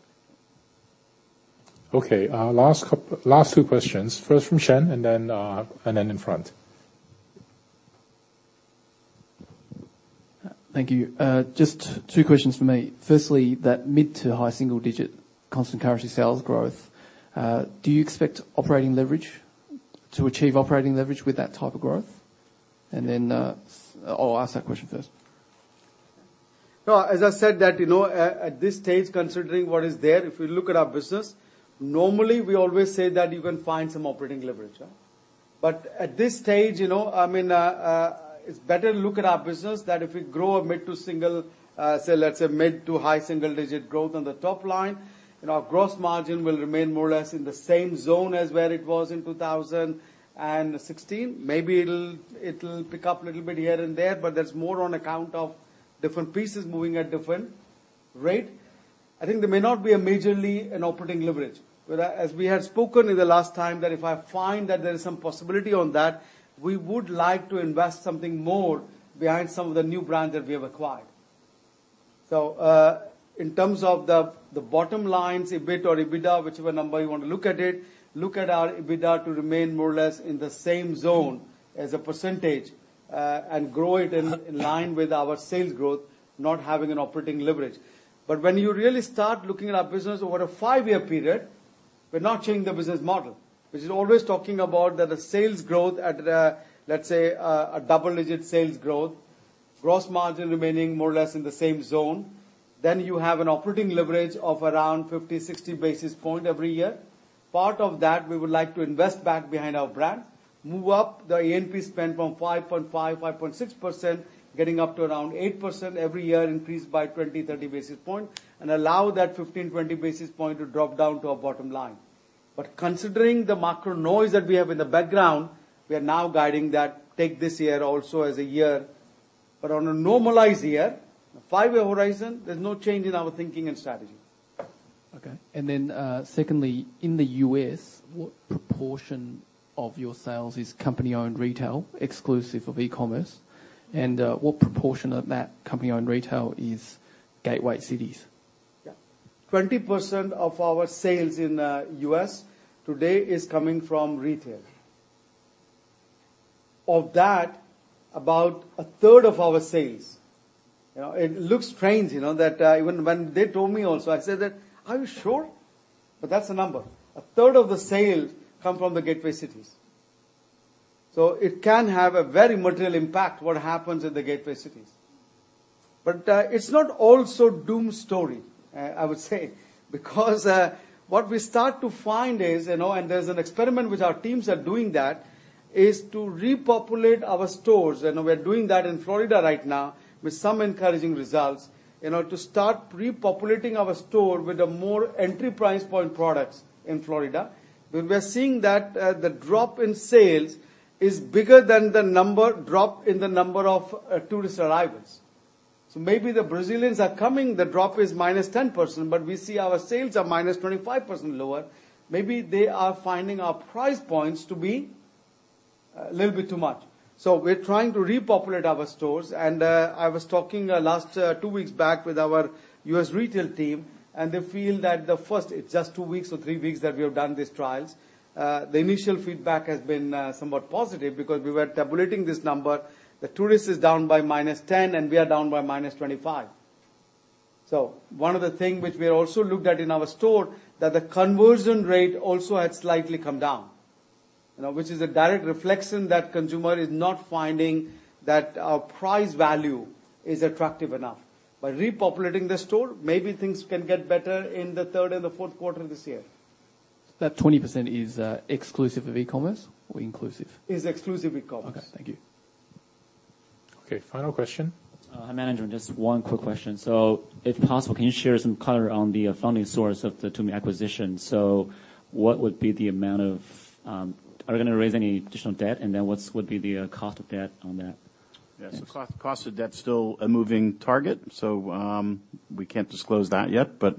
Okay. Last two questions. First from Shen and then in front. Thank you. Just two questions from me. Firstly, that mid to high single digit constant currency sales growth, do you expect to achieve operating leverage with that type of growth? I'll ask that question first. As I said that, at this stage considering what is there, if we look at our business, normally we always say that you can find some operating leverage. At this stage, it's better to look at our business that if we grow a mid to high single digit growth on the top line. Our gross margin will remain more or less in the same zone as where it was in 2016. Maybe it'll pick up a little bit here and there, but that's more on account of different pieces moving at different rate. I think there may not be majorly an operating leverage. As we had spoken in the last time, that if I find that there is some possibility on that, we would like to invest something more behind some of the new brands that we have acquired. In terms of the bottom lines, EBIT or EBITDA, whichever number you want to look at it, look at our EBITDA to remain more or less in the same zone as a percentage, and grow it in line with our sales growth, not having an operating leverage. When you really start looking at our business over a five-year period, we're not changing the business model. Which is always talking about the sales growth at, let's say, a double-digit sales growth, gross margin remaining more or less in the same zone. You have an operating leverage of around 50, 60 basis points every year. Part of that, we would like to invest back behind our brand, move up the A&P spend from 5.5%, 5.6%, getting up to around 8% every year, increase by 20, 30 basis points, and allow that 15, 20 basis points to drop down to our bottom line. Considering the macro noise that we have in the background, we are now guiding that, take this year also as a year. On a normalized year, a five-year horizon, there's no change in our thinking and strategy. Okay. Secondly, in the U.S., what proportion of your sales is company-owned retail exclusive of e-commerce? What proportion of that company-owned retail is gateway cities? Yeah. 20% of our sales in U.S. today is coming from retail. Of that, about a third of our sales. It looks strange, that even when they told me also, I said that, "Are you sure?" That's the number. A third of the sale come from the gateway cities. It can have a very material impact, what happens in the gateway cities. It's not all so doom story, I would say, because what we start to find is, and there's an experiment which our teams are doing that, is to repopulate our stores. We're doing that in Florida right now with some encouraging results. To start repopulating our store with the more entry price point products in Florida. We are seeing that the drop in sales is bigger than the drop in the number of tourist arrivals. Maybe the Brazilians are coming, the drop is -10%, we see our sales are -25% lower. Maybe they are finding our price points to be a little bit too much. We're trying to repopulate our stores, and I was talking last two weeks back with our U.S. retail team, and they feel that the first, it's just two weeks or three weeks that we have done these trials. The initial feedback has been somewhat positive because we were tabulating this number. The tourist is down by -10% and we are down by -25%. One of the thing which we also looked at in our store, that the conversion rate also had slightly come down. Which is a direct reflection that consumer is not finding that our price value is attractive enough. By repopulating the store, maybe things can get better in the third and the fourth quarter of this year. That 20% is exclusive of e-commerce or inclusive? Is exclusive e-commerce. Okay. Thank you. Okay. Final question. Hi, Manjuan. Just one quick question. If possible, can you share some color on the funding source of the Tumi acquisition? Are we going to raise any additional debt, what would be the cost of debt on that? Thanks. Yeah. Cost of debt's still a moving target. We can't disclose that yet, but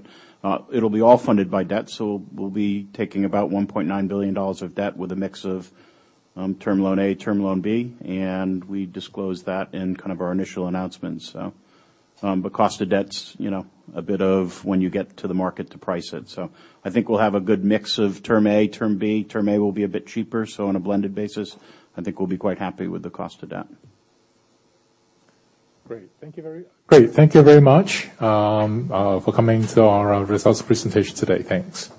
it'll be all funded by debt. We'll be taking about $1.9 billion of debt with a mix of Term Loan A, Term Loan B, we disclose that in kind of our initial announcements. Cost of debt's a bit of when you get to the market to price it. I think we'll have a good mix of Term A, Term B. Term A will be a bit cheaper, on a blended basis, I think we'll be quite happy with the cost of debt. Great. Thank you very much for coming to our results presentation today. Thanks.